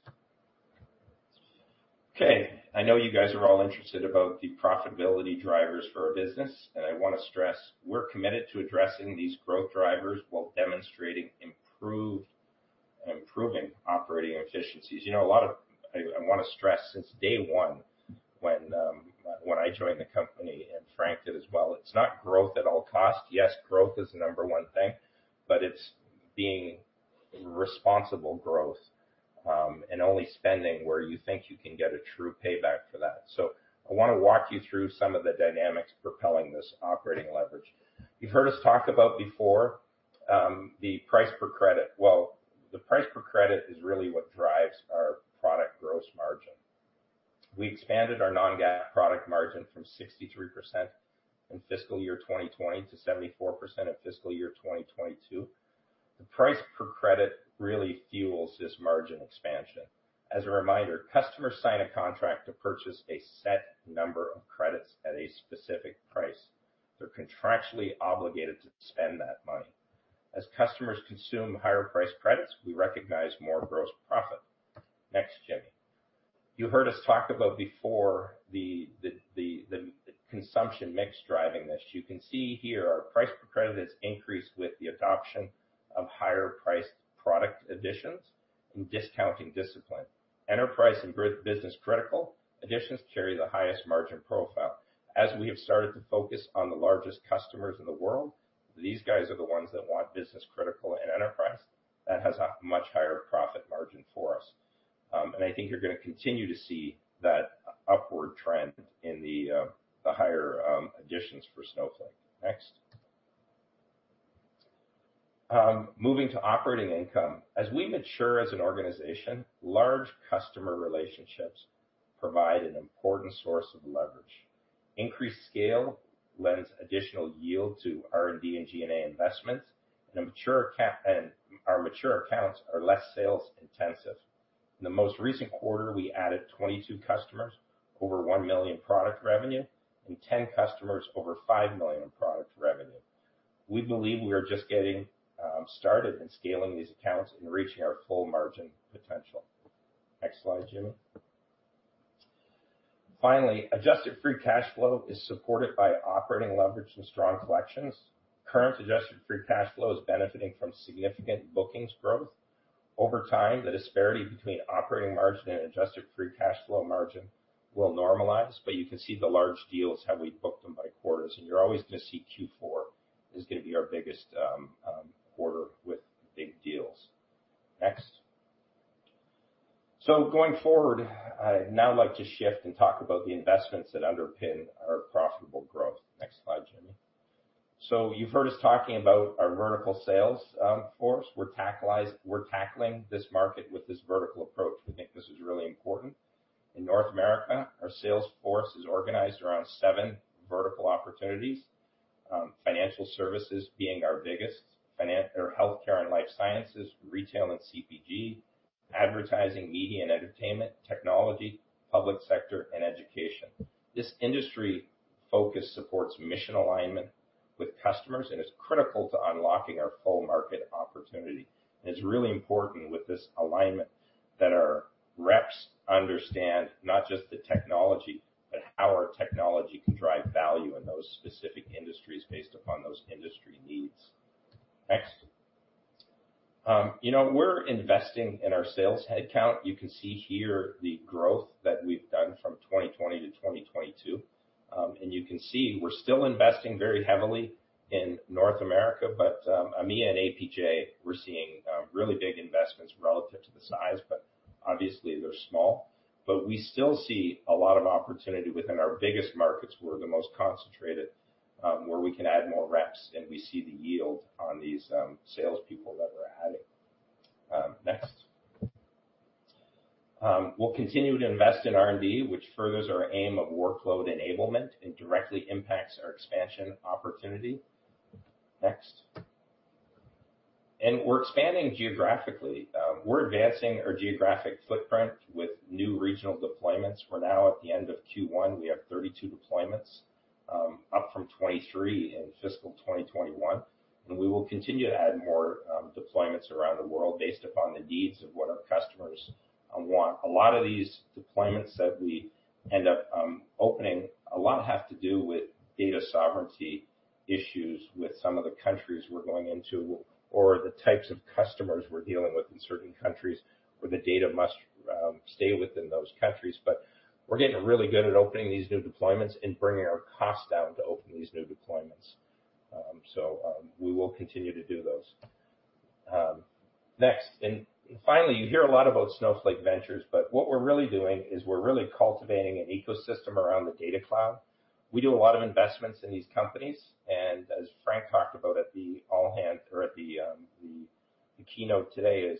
Okay, I know you guys are all interested about the profitability drivers for our business, and I wanna stress we're committed to addressing these growth drivers while demonstrating improving operating efficiencies. You know, I wanna stress since day one when I joined the company, and Frank did as well, it's not growth at all cost. Yes, growth is the number one thing, but it's being responsible growth, and only spending where you think you can get a true payback for that. So I wanna walk you through some of the dynamics propelling this operating leverage. You've heard us talk about before, the price-per-credit. Well, the price-per-credit is really what drives our product gross margin. We expanded our non-GAAP product margin from 63% in fiscal year 2020 to 74% in fiscal year 2022. The price-per-credit really fuels this margin expansion. As a reminder, customers sign a contract to purchase a set number of credits at a specific price. They're contractually obligated to spend that money. As customers consume higher priced credits, we recognize more gross profit. Next, Jimmy. You heard us talk about before the consumption mix driving this. You can see here our price-per-credit has increased with the adoption of higher-priced product additions and discounting discipline. Enterprise and business-critical additions carry the highest margin profile. As we have started to focus on the largest customers in the world, these guys are the ones that want business-critical and enterprise. That has a much higher profit margin for us. I think you're gonna continue to see that upward trend in the higher additions for Snowflake. Next. Moving to operating income. As we mature as an organization, large customer relationships provide an important source of leverage. Increased scale lends additional yield to R&D and G&A investments, and our mature accounts are less sales intensive. In the most recent quarter, we added 22 customers over $1 million product revenue, and 10 customers over $5 million in product revenue. We believe we are just getting started in scaling these accounts and reaching our full margin potential. Next slide, Jimmy. Finally, adjusted free cash flow is supported by operating leverage and strong collections. Current adjusted free cash flow is benefiting from significant bookings growth. Over time, the disparity between operating margin and adjusted free cash flow margin will normalize, but you can see the large deals how we've booked them by quarters, and you're always gonna see Q4 is gonna be our biggest quarter with big deals. Next. Going forward, I'd now like to shift and talk about the investments that underpin our profitable growth. Next slide, Jimmy. You've heard us talking about our vertical sales force. We're tackling this market with this vertical approach. We think this is really important. In North America, our sales force is organized around seven vertical opportunities, financial services being our biggest, or healthcare and life sciences, retail and CPG, advertising, media and entertainment, technology, public sector, and education. This industry focus supports mission alignment with customers and is critical to unlocking our full market opportunity. It's really important with this alignment that our reps understand not just the technology, but how our technology can drive value in those specific industries based upon those industry needs. Next. You know, we're investing in our sales headcount. You can see here the growth that we've done from 2020 to 2022. You can see we're still investing very heavily in North America, but EMEA and APJ, we're seeing really big investments relative to the size, but obviously they're small. We still see a lot of opportunity within our biggest markets, where we're the most concentrated, where we can add more reps, and we see the yield on these salespeople that we're adding. Next. We'll continue to invest in R&D, which furthers our aim of workload enablement and directly impacts our expansion opportunity. Next. We're expanding geographically. We're advancing our geographic footprint with new regional deployments. We're now at the end of Q1, we have 32 deployments, up from 23 in fiscal 2021, and we will continue to add more deployments around the world based upon the needs of what our customers want. A lot of these deployments that we end up opening, a lot have to do with data sovereignty issues with some of the countries we're going into, or the types of customers we're dealing with in certain countries, where the data must stay within those countries. We're getting really good at opening these new deployments and bringing our costs down to open these new deployments. We will continue to do those. Next. Finally, you hear a lot about Snowflake Ventures, but what we're really doing is we're really cultivating an ecosystem around the Data Cloud. We do a lot of investments in these companies, and as Frank talked about at the all-hands or at the keynote today,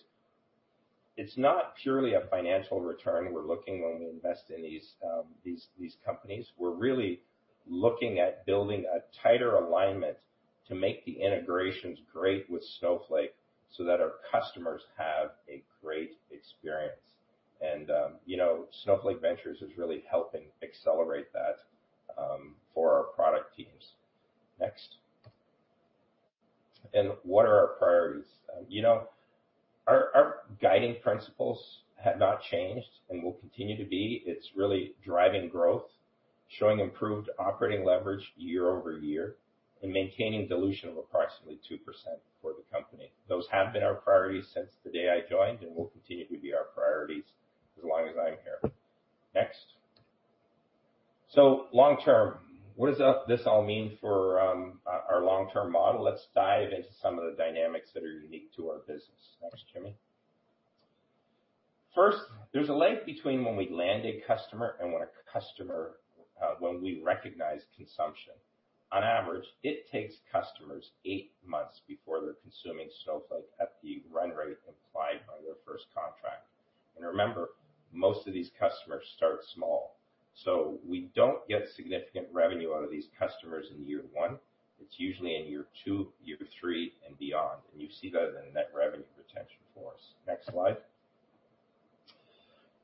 it's not purely a financial return we're looking when we invest in these companies. We're really looking at building a tighter alignment to make the integrations great with Snowflake so that our customers have a great experience. Snowflake Ventures is really helping accelerate that for our product teams. Next. What are our priorities? Our guiding principles have not changed and will continue to be. It's really driving growth, showing improved operating leverage year-over-year, and maintaining dilution of approximately 2% for the company. Those have been our priorities since the day I joined, and will continue to be our priorities as long as I'm here. Next. Long-term, what does this all mean for our long-term model? Let's dive into some of the dynamics that are unique to our business. Next, Jimmy. First, there's a lag between when we land a customer and when a customer, when we recognize consumption. On average, it takes customers eight months before they're consuming Snowflake at the run rate implied by their first contract. Remember, most of these customers start small, so we don't get significant revenue out of these customers in year one. It's usually in year two, year three, and beyond, and you see that in the net revenue retention for us. Next slide.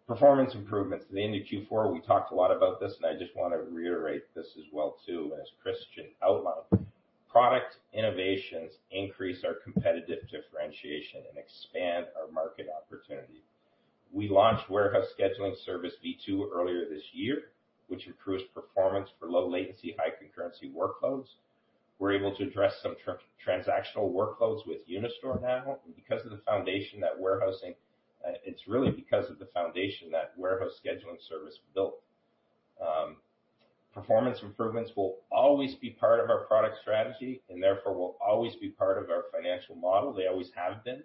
Performance improvements. At the end of Q4, we talked a lot about this, and I just wanna reiterate this as well too, and as Christian outlined. Product innovations increase our competitive differentiation and expand our market opportunity. We launched Warehouse Scheduling Service V2 earlier this year, which improves performance for low-latency, high-concurrency workloads. We're able to address some transactional workloads with Unistore now, it's really because of the foundation that Warehouse Scheduling Service built. Performance improvements will always be part of our product strategy, and therefore will always be part of our financial model. They always have been.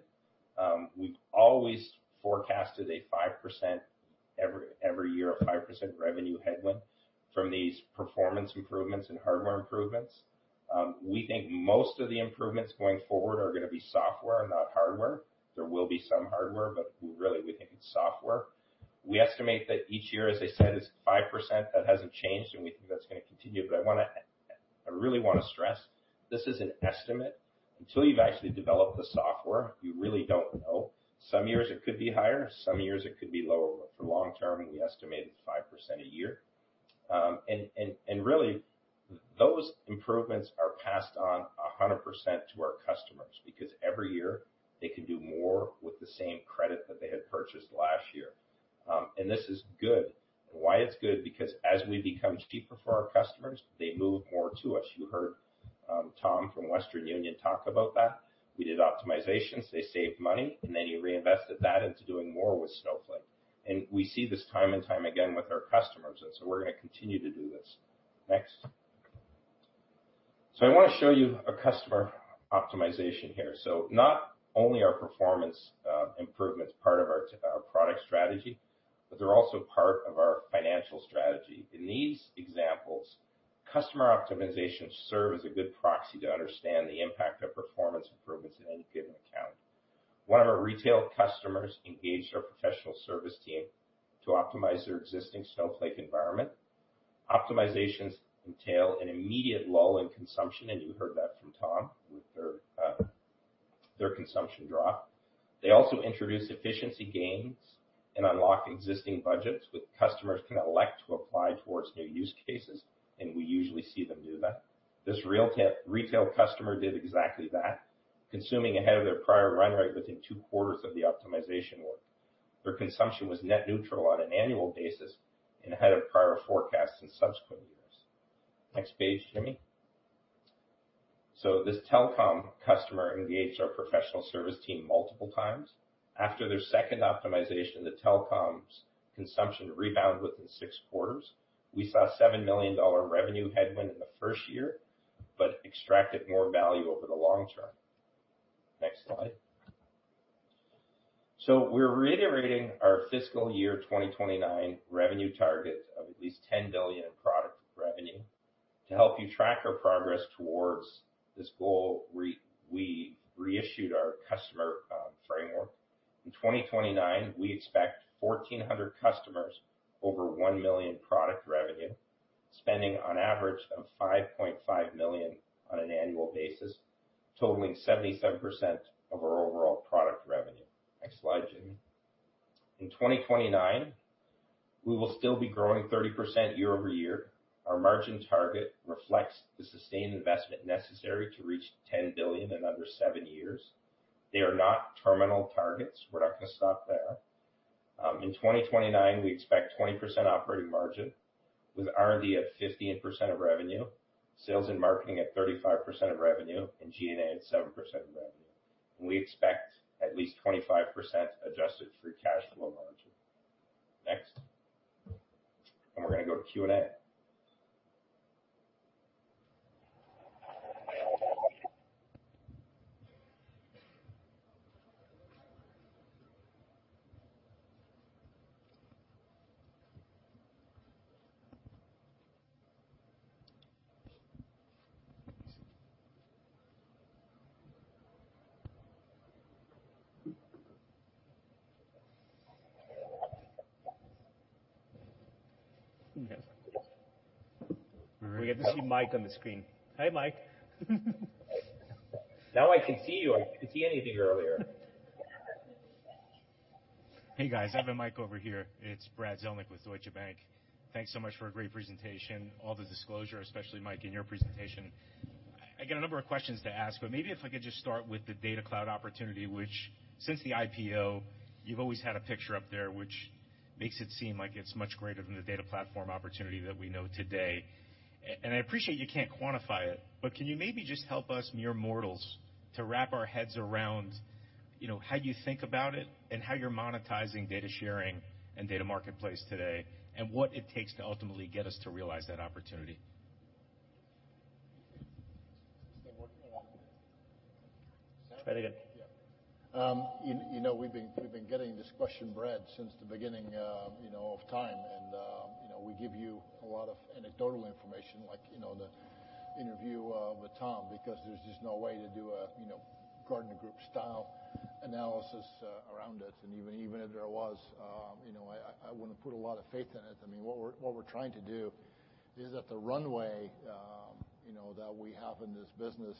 We've always forecasted a 5% revenue headwind every year from these performance improvements and hardware improvements. We think most of the improvements going forward are gonna be software, not hardware. There will be some hardware, but really we think it's software. We estimate that each year, as I said, it's 5%. That hasn't changed, and we think that's gonna continue. I really wanna stress, this is an estimate. Until you've actually developed the software, you really don't know. Some years it could be higher, some years it could be lower. For long term, we estimate it's 5% a year. Really, those improvements are passed on 100% to our customers, because every year they can do more with the same credit that they had purchased last year. This is good. Why it's good, because as we become cheaper for our customers, they move more to us. You heard Tom from Western Union talk about that. We did optimizations, they saved money, and then he reinvested that into doing more with Snowflake. We see this time and time again with our customers, and so we're gonna continue to do this. Next. I wanna show you a customer optimization here. Not only are performance improvements part of our product strategy, but they're also part of our financial strategy. In these examples, customer optimization serve as a good proxy to understand the impact of performance improvements in any given account. One of our retail customers engaged our professional service team to optimize their existing Snowflake environment. Optimizations entail an immediate lull in consumption, and you heard that from Tom with their consumption drop. They also introduce efficiency gains and unlock existing budgets, which customers can elect to apply towards new use cases, and we usually see them do that. This retail customer did exactly that, consuming ahead of their prior run rate within two quarters of the optimization work. Their consumption was net neutral on an annual basis and ahead of prior forecasts in subsequent years. Next page, Jimmy. This telecom customer engaged our professional service team multiple times. After their second optimization, the telecom's consumption rebounded within six quarters. We saw $7 million revenue headwind in the first year, but extracted more value over the long term. Next slide. We're reiterating our fiscal year 2029 revenue target of at least $10 billion in product revenue. To help you track our progress towards this goal, we reissued our customer framework. In 2029, we expect 1,400 customers over $1 million product revenue, spending on average of $5.5 million on an annual basis, totaling 77% of our overall product revenue. Next slide, Jimmy. In 2029, we will still be growing 30% year-over-year. Our margin target reflects the sustained investment necessary to reach $10 billion in under seven years. They are not terminal targets. We're not gonna stop there. In 2029, we expect 20% operating margin with R&D at 15% of revenue, sales and marketing at 35% of revenue, and G&A at 7% of revenue. We expect at least 25% adjusted free cash flow margin. Next. We're gonna go to Q&A. We get to see Mike on the screen. Hey, Mike. Now I can see you. I couldn't see anything earlier. Hey, guys. I've had the mic over here. It's Brad Zelnick with Deutsche Bank. Thanks so much for a great presentation. All the disclosure, especially Mike, in your presentation. I got a number of questions to ask, but maybe if I could just start with the Data Cloud opportunity, which since the IPO, you've always had a picture up there which makes it seem like it's much greater than the data platform opportunity that we know today. And I appreciate you can't quantify it, but can you maybe just help us mere mortals to wrap our heads around, you know, how you think about it and how you're monetizing data sharing and data marketplace today, and what it takes to ultimately get us to realize that opportunity? Yeah. You know, we've been getting this question, Brad, since the beginning of time and, you know, we give you a lot of anecdotal information like, you know, the interview with Tom, because there's just no way to do a, you know, Gartner-group-style analysis around it. Even if there was, you know, I wouldn't put a lot of faith in it. I mean, what we're trying to do is that the runway, you know, that we have in this business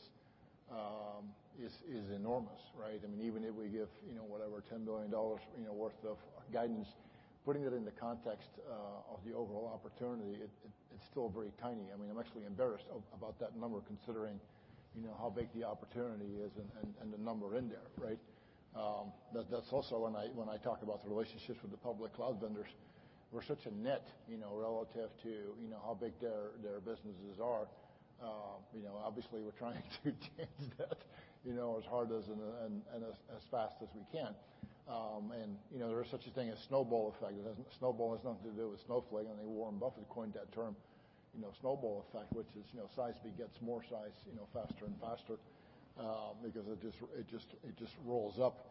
is enormous, right? I mean, even if we give, you know, whatever $10 billion worth of guidance, putting it in the context of the overall opportunity, it's still very tiny. I mean, I'm actually embarrassed about that number, considering, you know, how big the opportunity is and the number in there, right? That's also when I talk about the relationships with the public cloud vendors, we're such a nit, you know, relative to, you know, how big their businesses are. You know, obviously we're trying to change that, you know, as hard and as fast as we can. You know, there is such a thing as snowball effect. Snowball has nothing to do with Snowflake. I know Warren Buffett coined that term, you know, snowball effect, which is, you know, size begets more size, you know, faster and faster, because it just rolls up.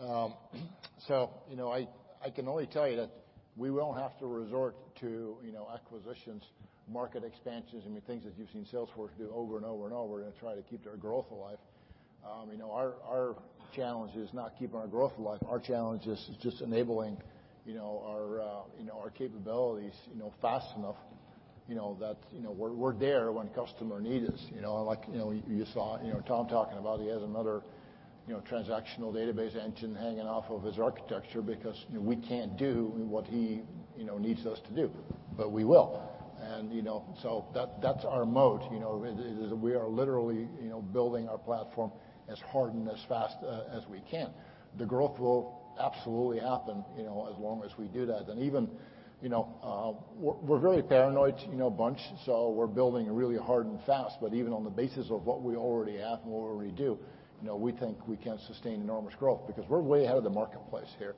You know, I can only tell you that we won't have to resort to, you know, acquisitions, market expansions, I mean, things that you've seen Salesforce do over and over and over to try to keep their growth alive. You know, our challenge is not keeping our growth alive. Our challenge is just enabling, you know, our capabilities, you know, fast enough, you know, that, you know, we're there when a customer need us. You know, like, you know, you saw, you know, Tom talking about he has another, you know, transactional database engine hanging off of his architecture because, you know, we can't do what he, you know, needs us to do. But we will. You know, so that's our moat, you know. It is. We are literally, you know, building our platform as hard and as fast as we can. The growth will absolutely happen, you know, as long as we do that. Even, you know, we're a very paranoid, you know, bunch, so we're building really hard and fast. Even on the basis of what we already have and what we already do, you know, we think we can sustain enormous growth because we're way ahead of the marketplace here.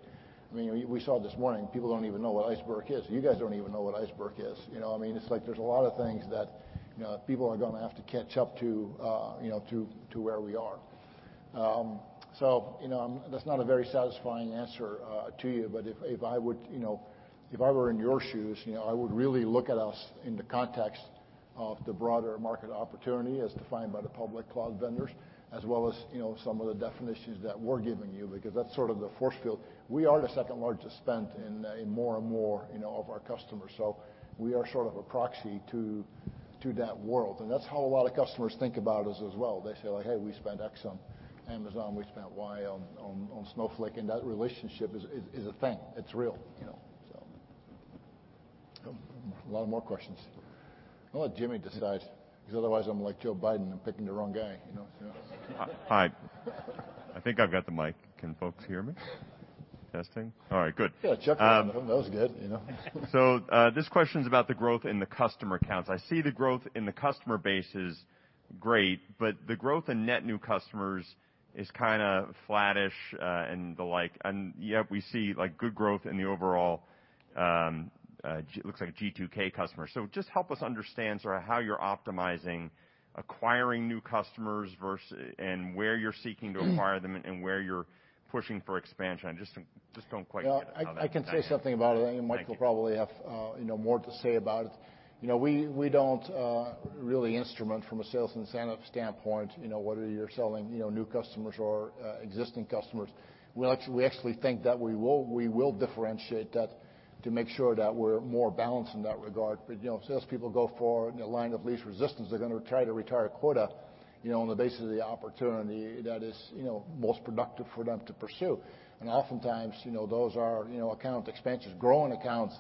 I mean, we saw this morning people don't even know what Iceberg is. You guys don't even know what Iceberg is, you know? I mean, it's like there's a lot of things that, you know, people are gonna have to catch up to, you know, to where we are. So, you know, that's not a very satisfying answer to you. If I would, you know, if I were in your shoes, you know, I would really look at us in the context of the broader market opportunity as defined by the public cloud vendors, as well as, you know, some of the definitions that we're giving you, because that's sort of the force field. We are the second largest spend in more and more, you know, of our customers. So we are sort of a proxy to that world, and that's how a lot of customers think about us as well. They say like, "Hey, we spent X on Amazon, we spent Y on Snowflake," and that relationship is a thing. It's real, you know. A lot more questions. I'll let Jimmy decide, because otherwise I'm like Joe Biden and picking the wrong guy, you know. Hi. I think I've got the mic. Can folks hear me? Testing. All right. Good. Yeah, check. That was good, you know. This question's about the growth in the customer counts. I see the growth in the customer base is great, but the growth in net new customers is kinda flattish, and the like, and yet we see like good growth in the overall, looks like G2K customers. Just help us understand sort of how you're optimizing acquiring new customers versus and where you're seeking to acquire them and where you're pushing for expansion. I just don't quite get it. Well, I can say something about it. Mike will probably have, you know, more to say about it. You know, we don't really instrument from a sales incentive standpoint, you know, whether you're selling, you know, new customers or existing customers. We actually think that we will differentiate that to make sure that we're more balanced in that regard. You know, salespeople go for the line of least resistance. They're gonna try to reach our quota, you know, on the basis of the opportunity that is, you know, most productive for them to pursue. Oftentimes, you know, those are, you know, account expansions. Growing accounts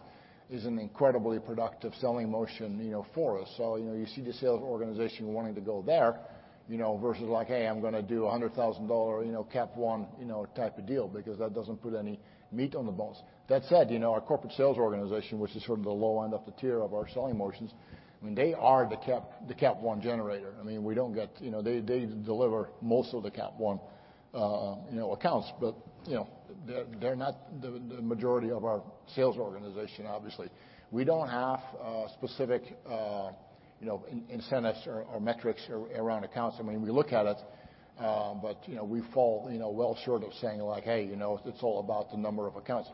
is an incredibly productive selling motion, you know, for us. You know, you see the sales organization wanting to go there, you know, versus like, "Hey, I'm gonna do a $100,000, you know, cap one, you know, type of deal," because that doesn't put any meat on the bones. That said, you know, our corporate sales organization, which is sort of the low end of the tier of our selling motions, I mean, they are the cap one generator. You know, they deliver most of the cap one, you know, accounts. You know, they're not the majority of our sales organization, obviously. We don't have specific, you know, incentives or metrics around accounts. I mean, we look at it, but, you know, we fall, you know, well short of saying like, "Hey, you know, it's all about the number of accounts."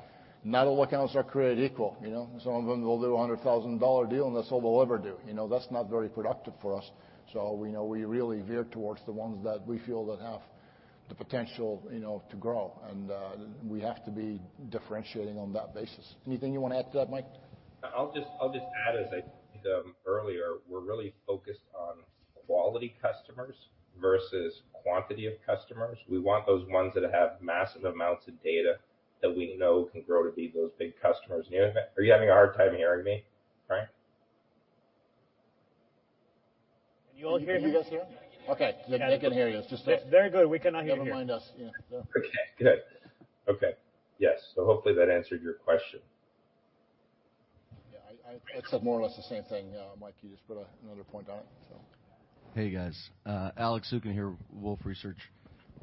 Not all accounts are created equal, you know. Some of them will do a $100,000 deal and that's all they'll ever do. You know, that's not very productive for us. You know, we really veer towards the ones that we feel that have the potential, you know, to grow, and, we have to be differentiating on that basis. Anything you wanna add to that, Mike? I'll just add, as I said earlier, we're really focused on quality customers versus quantity of customers. We want those ones that have massive amounts of data that we know can grow to be those big customers. Are you having a hard time hearing me, Frank? Okay, good. Okay. Yes. Hopefully that answered your question. Yeah. I said more or less the same thing. Mike, you just put another point on it. So... Hey, guys. Alex Zukin here, Wolfe Research,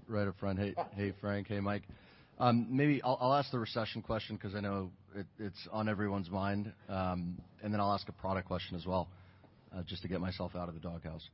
right up front. Hey, Frank. Hey, Mike. Maybe I'll ask the recession question 'cause I know it's on everyone's mind. Then I'll ask a product question as well, just to get myself out of the doghouse.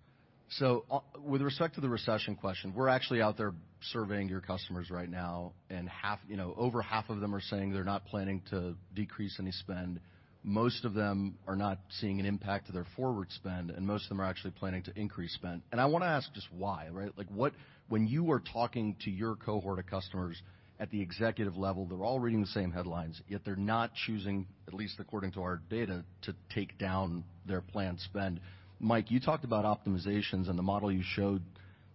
With respect to the recession question, we're actually out there surveying your customers right now, and half, you know, over half of them are saying they're not planning to decrease any spend. Most of them are not seeing an impact to their forward spend, and most of them are actually planning to increase spend. I wanna ask just why, right? Like what— When you are talking to your cohort of customers at the executive level, they're all reading the same headlines, yet they're not choosing, at least according to our data, to take down their planned spend. Mike, you talked about optimizations and the model you showed,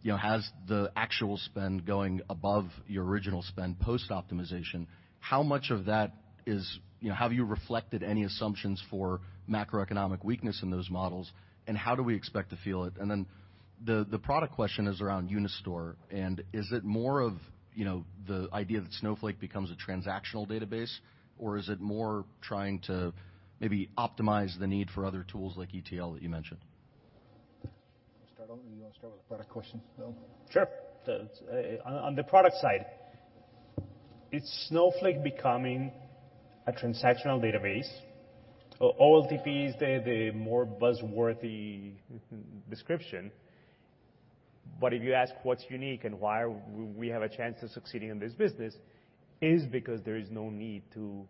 you know, has the actual spend going above your original spend post-optimization. How much of that is you know, have you reflected any assumptions for macroeconomic weakness in those models, and how do we expect to feel it? The product question is around Unistore, and is it more of, you know, the idea that Snowflake becomes a transactional database, or is it more trying to maybe optimize the need for other tools like ETL that you mentioned? You wanna start with the product question, Bill? Sure. On the product side, it's Snowflake becoming a transactional database. OLTP is the more buzz-worthy description. If you ask what's unique and why we have a chance of succeeding in this business, is because there is no need to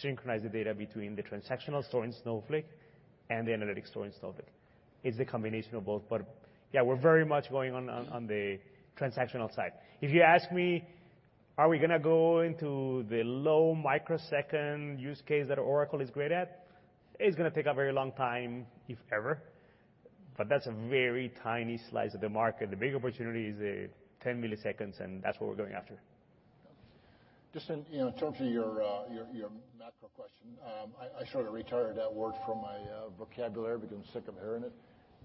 synchronize the data between the transactional store in Snowflake and the analytics store in Snowflake. It's the combination of both. Yeah, we're very much going on the transactional side. If you ask me, are we gonna go into the low microsecond use case that Oracle is great at? It's gonna take a very long time, if ever, but that's a very tiny slice of the market. The big opportunity is the 10 ms, and that's what we're going after. Just in, you know, in terms of your macro question. I sort of retired that word from my vocabulary because I'm sick of hearing it.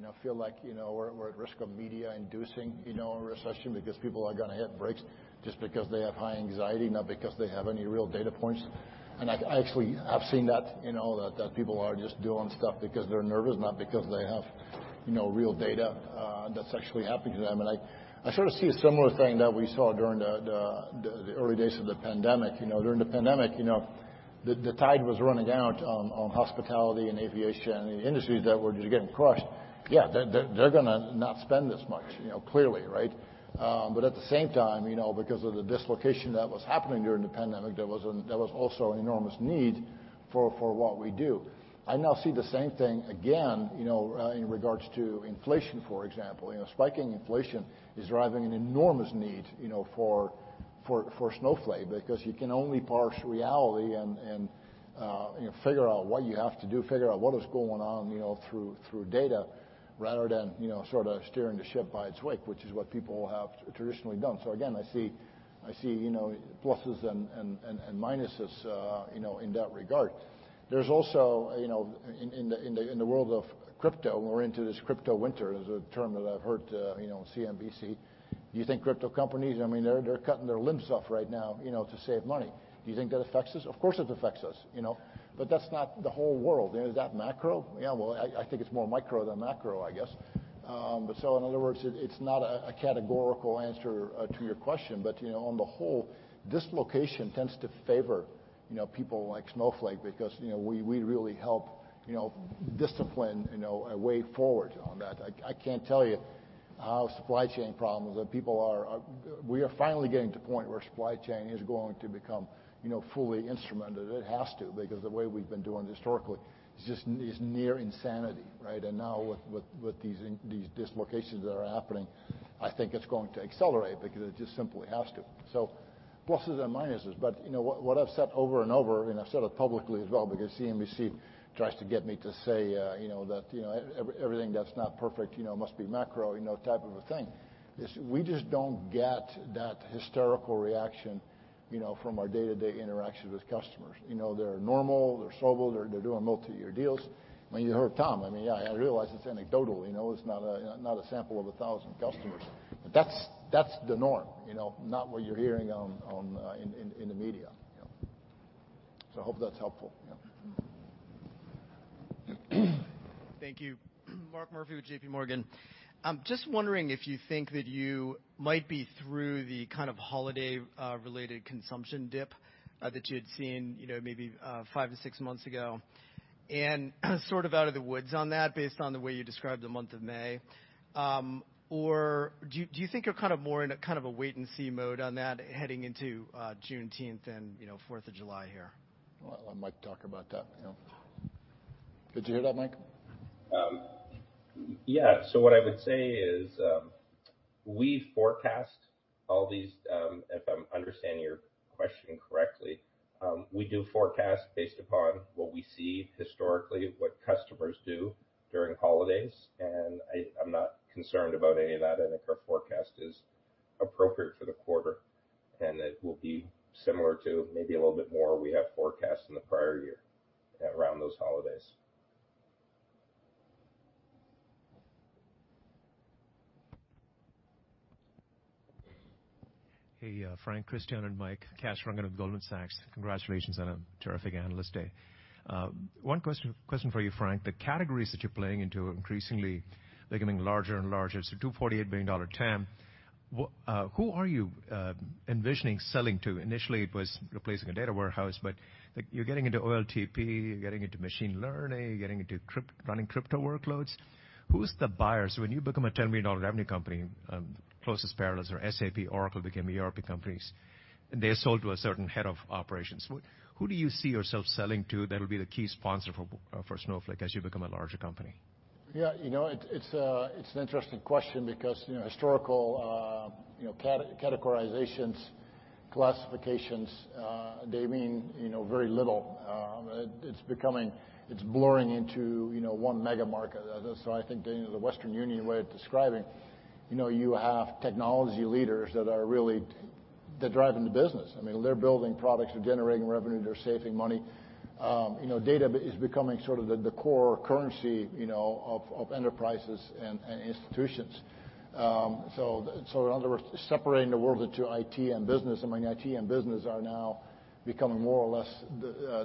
I feel like, you know, we're at risk of media inducing, you know, a recession because people are gonna hit the brakes just because they have high anxiety, not because they have any real data points. I actually have seen that, you know, people are just doing stuff because they're nervous, not because they have, you know, real data that's actually happening to them. I sort of see a similar thing that we saw during the early days of the pandemic. You know, during the pandemic, you know, the tide was running out on hospitality and aviation and the industries that were just getting crushed. Yeah, they're gonna not spend as much, you know, clearly, right? But at the same time, you know, because of the dislocation that was happening during the pandemic, there was also an enormous need for what we do. I now see the same thing again, you know, in regards to inflation, for example. You know, spiking inflation is driving an enormous need, you know, for Snowflake because you can only parse reality and, you know, figure out what you have to do, figure out what is going on, you know, through data rather than, you know, sort of steering the ship by its wake, which is what people have traditionally done. Again, I see, you know, pluses and minuses, you know, in that regard. There's also, you know, in the world of crypto, and we're into this crypto winter. There's a term that I've heard, you know, on CNBC. Do you think crypto companies—I mean, they're cutting their limbs off right now, you know, to save money. Do you think that affects us? Of course, it affects us, you know. That's not the whole world. Is that macro? Yeah. Well, I think it's more micro than macro, I guess. In other words, it's not a categorical answer to your question. You know, on the whole, dislocation tends to favor, you know, people like Snowflake because, you know, we really help, you know, discipline, you know, a way forward on that. I can't tell you how supply chain problems that people are. We are finally getting to a point where supply chain is going to become, you know, fully instrumented. It has to, because the way we've been doing it historically is just, is near insanity, right? Now with these dislocations that are happening, I think it's going to accelerate because it just simply has to. Pluses and minuses. You know, what I've said over and over, and I've said it publicly as well, because CNBC tries to get me to say, you know, that everything that's not perfect must be macro type of a thing, is we just don't get that hysterical reaction, you know, from our day-to-day interactions with customers. You know, they're normal. They're stable. They're doing multi-year deals. I mean, you heard Tom. I mean, I realize it's anecdotal, you know, it's not a sample of 1,000 customers. That's the norm, you know, not what you're hearing in the media, you know. I hope that's helpful. Yeah. Thank you. Mark Murphy with JPMorgan. Just wondering if you think that you might be through the kind of holiday related consumption dip that you had seen, you know, maybe five-six months ago, and sort of out of the woods on that based on the way you described the month of May. Or do you think you're kind of more in a kind of a wait-and-see mode on that heading into Juneteenth and, you know, 4th of July here? Well, I'll let Mike talk about that. You know. Did you hear that, Mike? Yeah. What I would say is, we forecast all these, if I'm understanding your question correctly, we do forecast based upon what we see historically, what customers do during holidays, and I'm not concerned about any of that. I think our forecast is appropriate for the quarter, and it will be similar to maybe a little bit more we have forecast in the prior year around those holidays. Hey, Frank, Christian and Mike, Kash Rangan of Goldman Sachs. Congratulations on a terrific Analyst Day. One question for you, Frank. The categories that you're playing into are increasingly becoming larger and larger. It's a $248 billion TAM. Who are you envisioning selling to? Initially, it was replacing a data warehouse, but, like, you're getting into OLTP, you're getting into machine learning, you're getting into running crypto workloads. Who's the buyers? When you become a $10 billion revenue company, closest parallels are SAP, Oracle became ERP companies, and they sold to a certain head of operations. Who do you see yourself selling to that'll be the key sponsor for Snowflake as you become a larger company? Yeah, you know, it's an interesting question because, you know, historical categorizations, classifications, they mean, you know, very little. It's becoming. It's blurring into, you know, one mega market. That's why I think getting to the Western Union way of describing, you know, you have technology leaders that are really, they're driving the business. I mean, they're building products, they're generating revenue, they're saving money. You know, data is becoming sort of the core currency, you know, of enterprises and institutions. So in other words, separating the world into IT and business, I mean, IT and business are now becoming more or less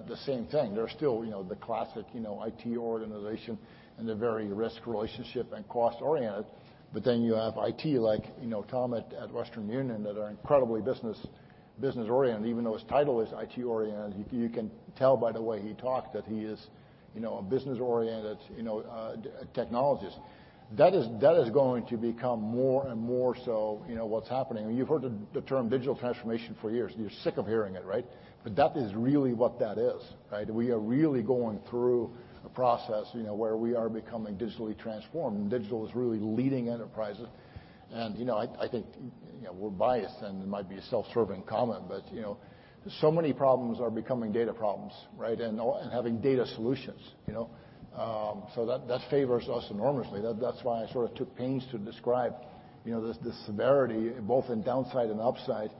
the same thing. They're still, you know, the classic IT organization and they're very risk relationship and cost-oriented. You have IT like, you know, Tom at Western Union, that are incredibly business-oriented, even though his title is IT-oriented. You can tell by the way he talked that he is, you know, a business-oriented, you know, technologist. That is going to become more and more so, you know, what's happening. You've heard the term digital transformation for years, and you're sick of hearing it, right? That is really what that is, right? We are really going through a process, you know, where we are becoming digitally transformed, and digital is really leading enterprises. You know, I think, you know, we're biased, and it might be a self-serving comment, but, you know, so many problems are becoming data problems, right? And having data solutions, you know? That favors us enormously. That's why I sort of took pains to describe, you know, the severity, both in downside and upside,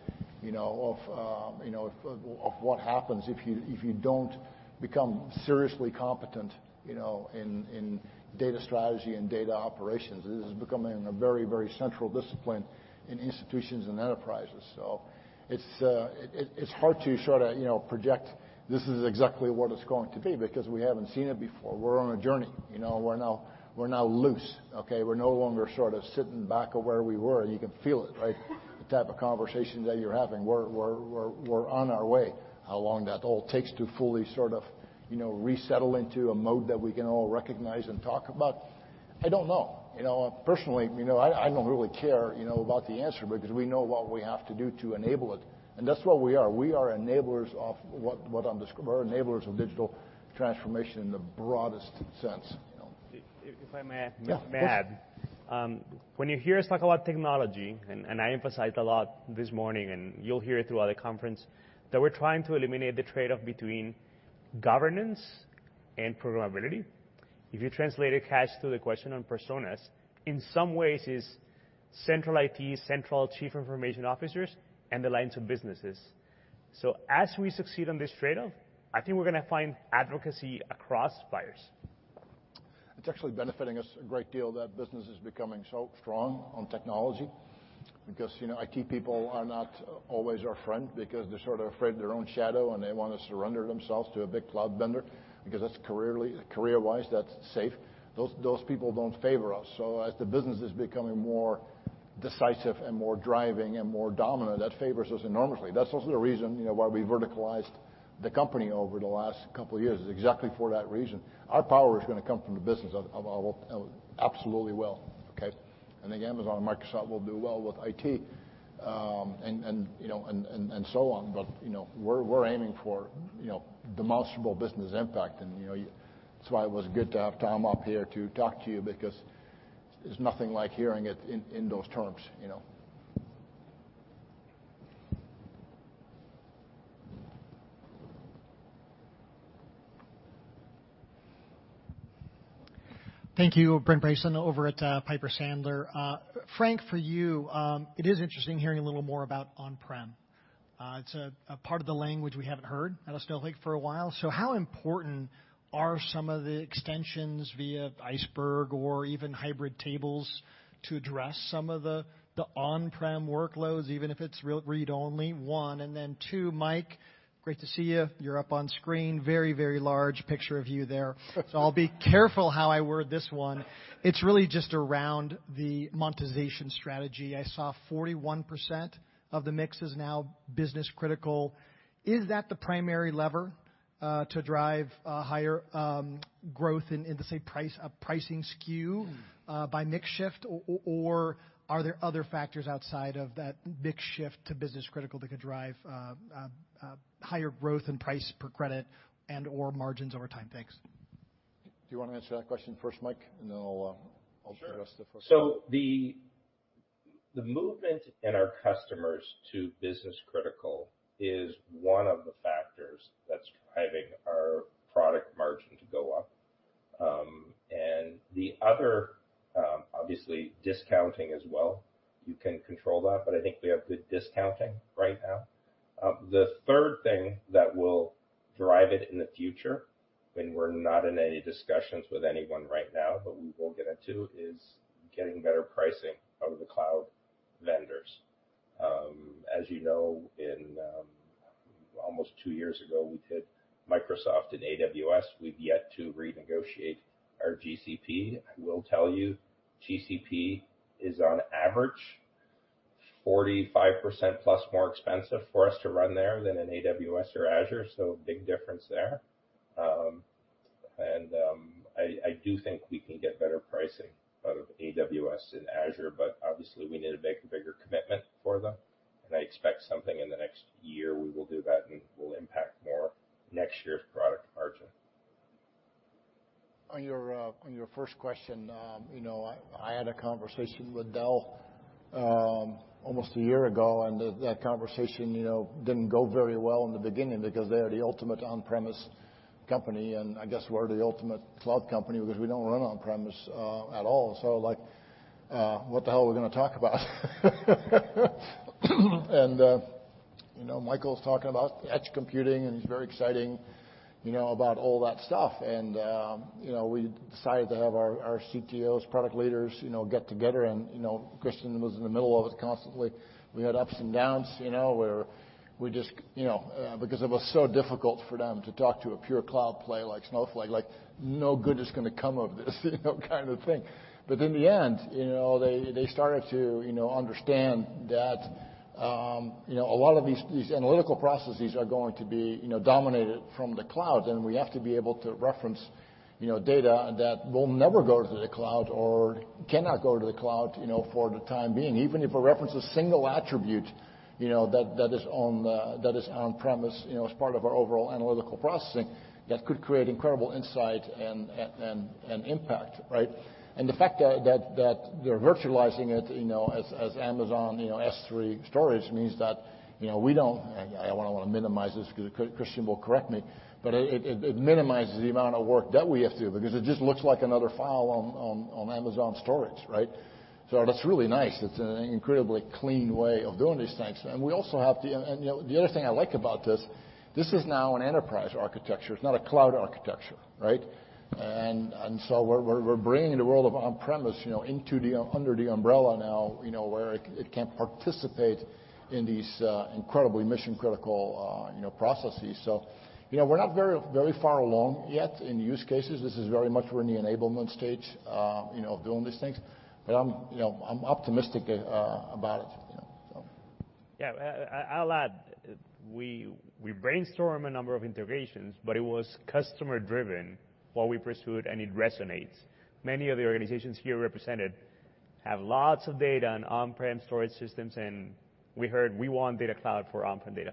you know, of what happens if you don't become seriously competent, you know, in data strategy and data operations. This is becoming a very central discipline in institutions and enterprises. It's hard to sort of, you know, project this is exactly what it's going to be because we haven't seen it before. We're on a journey, you know? We're now loose, okay? We're no longer sort of sitting back where we were. You can feel it, right? The type of conversation that you're having. We're on our way. How long that all takes to fully sort of, you know, resettle into a mode that we can all recognize and talk about, I don't know. You know, personally, you know, I don't really care, you know, about the answer because we know what we have to do to enable it. That's what we are. We are enablers of digital transformation in the broadest sense, you know. If I may add. When you hear us talk about technology, and I emphasized a lot this morning, and you'll hear it throughout the conference, that we're trying to eliminate the trade-off between governance and programmability. If you translate it back to the question on personas, in some ways it's central IT, central chief information officers, and the lines of businesses. As we succeed on this trade-off, I think we're gonna find advocacy across buyers. It's actually benefiting us a great deal that business is becoming so strong on technology. Because, you know, IT people are not always our friend because they're sort of afraid of their own shadow, and they wanna surrender themselves to a big cloud vendor because that's career-wise, that's safe. Those people don't favor us. As the business is becoming more decisive and more driving and more dominant, that favors us enormously. That's also the reason, you know, why we verticalized the company over the last couple of years. It's exactly for that reason. Our power is gonna come from the business. It absolutely will, okay? Again, Amazon and Microsoft will do well with IT, and so on. You know, we're aiming for, you know, demonstrable business impact and, you know, that's why it was good to have Tom up here to talk to you because there's nothing like hearing it in those terms, you know? Thank you. Brent Bracelin over at Piper Sandler. Frank, for you, it is interesting hearing a little more about on-prem. It's a part of the language we haven't heard at Snowflake for a while. How important are some of the extensions via Iceberg or even Hybrid Tables to address some of the on-prem workloads, even if it's read-only, one. Then two, Mike, great to see you. You're up on screen. Very large picture of you there. I'll be careful how I word this one. It's really just around the monetization strategy. I saw 41% of the mix is now business critical. Is that the primary lever to drive higher growth in the say price, pricing SKU by mix shift or are there other factors outside of that mix shift to business critical that could drive higher growth and price-per-credit and/or margins over time? Thanks. Do you wanna answer that question first, Mike, and then I'll address the first one. Sure. The movement in our customers to business critical is one of the factors that's driving our product margin to go up. The other, obviously discounting as well. You can control that, but I think we have good discounting right now. The third thing that will drive it in the future, and we're not in any discussions with anyone right now, but we will get into, is getting better pricing out of the cloud vendors. As you know, in almost two years ago, we did Microsoft and AWS. We've yet to renegotiate our GCP. I will tell you, GCP is on average 45%+ more expensive for us to run there than in AWS or Azure, so big difference there. I do think we can get better pricing out of AWS and Azure, but obviously we need to make a bigger commitment for them, and I expect something in the next year. We will do that, and it will impact more next year's product margin. On your first question, you know, I had a conversation with Dell almost a year ago, and that conversation didn't go very well in the beginning because they are the ultimate on-premise company, and I guess we're the ultimate cloud company because we don't run on-premise at all. Like, what the hell are we gonna talk about? You know, Michael's talking about edge computing, and he's very exciting about all that stuff. You know, we decided to have our CTOs, product leaders get together, and you know, Christian was in the middle of it constantly. We had ups and downs, you know, where we just, you know, because it was so difficult for them to talk to a pure cloud play like Snowflake, like no good is gonna come of this, you know, kind of thing. In the end, you know, they started to, you know, understand that, you know, a lot of these analytical processes are going to be, you know, dominated from the cloud, and we have to be able to reference, you know, data that will never go to the cloud or cannot go to the cloud, you know, for the time being. Even if it references single attribute, you know, that is on-premise, you know, as part of our overall analytical processing, that could create incredible insight and impact, right? The fact that they're virtualizing it, you know, as Amazon S3 storage means that, you know, I don't wanna minimize this because Christian will correct me, but it minimizes the amount of work that we have to do because it just looks like another file on Amazon storage, right? That's really nice. It's an incredibly clean way of doing these things. The other thing I like about this is now an enterprise architecture. It's not a cloud architecture, right? So we're bringing the world of on-premise, you know, under the umbrella now, you know, where it can participate in these incredibly mission-critical, you know, processes. You know, we're not very, very far along yet in use cases. This is very much we're in the enablement stage, you know, of doing these things. I'm, you know, I'm optimistic, about it, you know? Yeah. I'll add, we brainstorm a number of integrations, but it was customer-driven, what we pursued, and it resonates. Many of the organizations here represented have lots of data on on-prem storage systems, and we heard we want Data Cloud for on-prem data.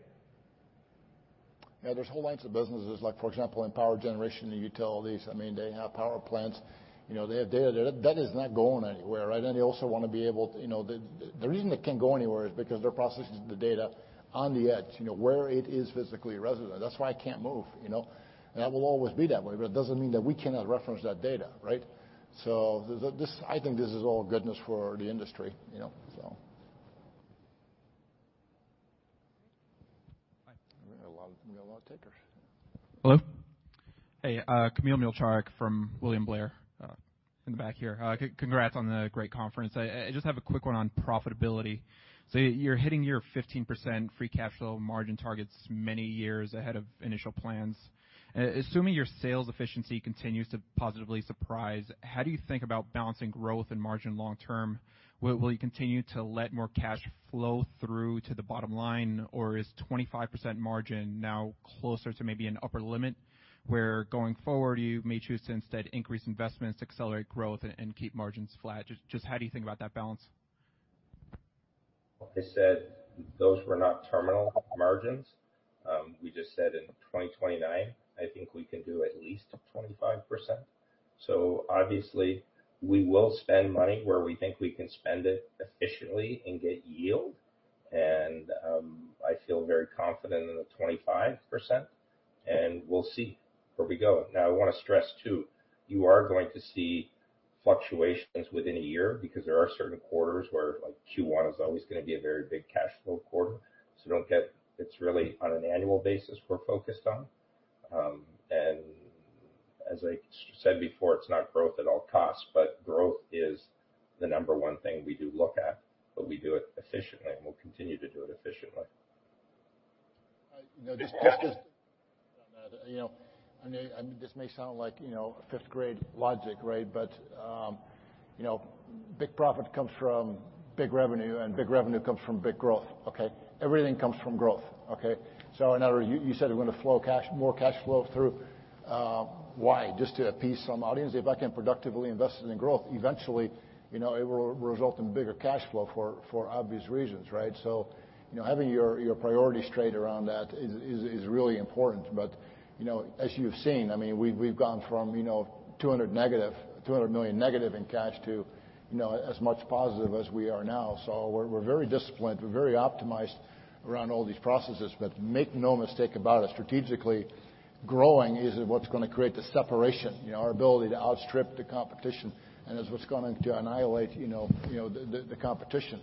Yeah. There's whole bunch of businesses, like for example, in power generation, the utilities, I mean, they have power plants. You know, they have data. That is not going anywhere, right? They also wanna be able to, you know. The reason it can't go anywhere is because they're processing the data on the edge, you know, where it is physically resident. That's why it can't move, you know? That will always be that way, but it doesn't mean that we cannot reference that data, right? This I think this is all goodness for the industry, you know. Hello? Hey, Kamil Mielczarek from William Blair, in the back here. Congrats on the great conference. I just have a quick one on profitability. You're hitting your 15% free cash flow margin targets many years ahead of initial plans. Assuming your sales efficiency continues to positively surprise, how do you think about balancing growth and margin long term? Will you continue to let more cash flow through to the bottom line, or is 25% margin now closer to maybe an upper limit, where going forward you may choose to instead increase investments, accelerate growth, and keep margins flat? Just how do you think about that balance? I said those were not terminal margins. We just said in 2029, I think we can do at least 25%. Obviously, we will spend money where we think we can spend it efficiently and get yield. I feel very confident in the 25%, and we'll see where we go. Now, I wanna stress too, you are going to see fluctuations within a year because there are certain quarters where, like Q1 is always gonna be a very big cash flow quarter. It's really on an annual basis we're focused on. As I said before, it's not growth at all costs, but growth is the number one thing we do look at, but we do it efficiently, and we'll continue to do it efficiently. You know, just to build on that. You know, I mean, this may sound like fifth-grade logic, right? But you know, big profit comes from big revenue, and big revenue comes from big growth, okay? Everything comes from growth, okay? In other words, you said you're gonna flow cash, more cash flow through. Why? Just to appease some audience. If I can productively invest it in growth, eventually, you know, it will result in bigger cash flow for obvious reasons, right? You know, having your priorities straight around that is really important. But you know, as you've seen, I mean, we've gone from -200, -$200 million in cash to you know, as much positive as we are now. We're very disciplined. We're very optimized around all these processes. Make no mistake about it, strategically growing is what's gonna create the separation, you know, our ability to outstrip the competition and is what's going to annihilate, you know, the competition.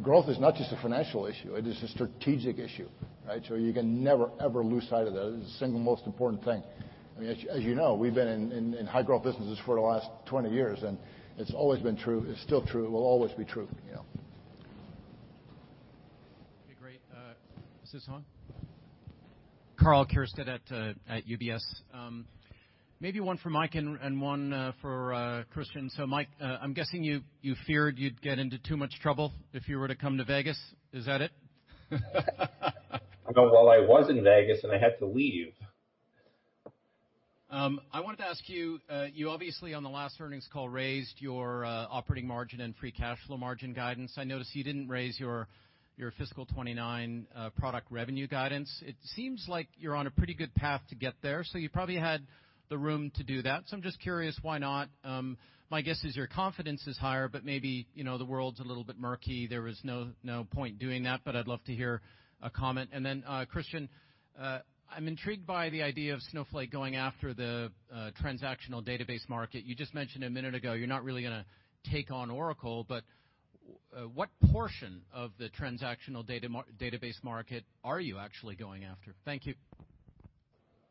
Growth is not just a financial issue. It is a strategic issue, right? You can never, ever lose sight of that. It's the single most important thing. I mean, as you know, we've been in high-growth businesses for the last 20 years, and it's always been true. It's still true. It will always be true, you know. Okay, great. Is this on? Karl Keirstead at UBS. Maybe one for Mike and one for Christian. Mike, I'm guessing you feared you'd get into too much trouble if you were to come to Vegas. Is that it? No. Well, I was in Vegas, and I had to leave. I wanted to ask you obviously on the last earnings call raised your operating margin and free cash flow margin guidance. I noticed you didn't raise your fiscal 2029 product revenue guidance. It seems like you're on a pretty good path to get there, so you probably had the room to do that. I'm just curious, why not? My guess is your confidence is higher, but maybe, you know, the world's a little bit murky. There was no point doing that, but I'd love to hear a comment. Christian, I'm intrigued by the idea of Snowflake going after the transactional database market. You just mentioned a minute ago, you're not really gonna take on Oracle, but what portion of the transactional database market are you actually going after? Thank you.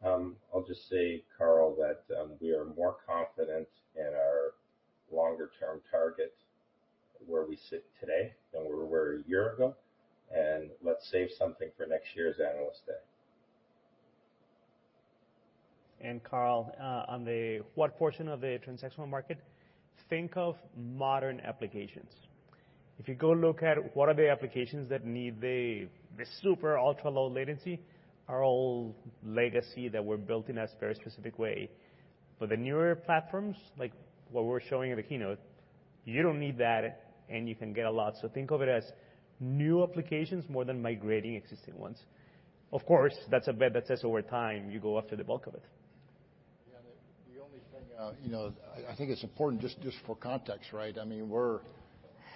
I'll just say, Karl, that we are more confident in our longer-term target where we sit today than we were a year ago, and let's save something for next year's Analyst Day. Karl, on the what portion of the transactional market, think of modern applications. If you go look at what are the applications that need the super ultra-low latency are all legacy that were built in a very specific way. For the newer platforms, like what we're showing in the keynote, you don't need that, and you can get a lot. Think of it as new applications more than migrating existing ones. Of course, that's a bet that says over time, you go after the bulk of it. Yeah. The only thing, you know, I think it's important just for context, right? I mean, we're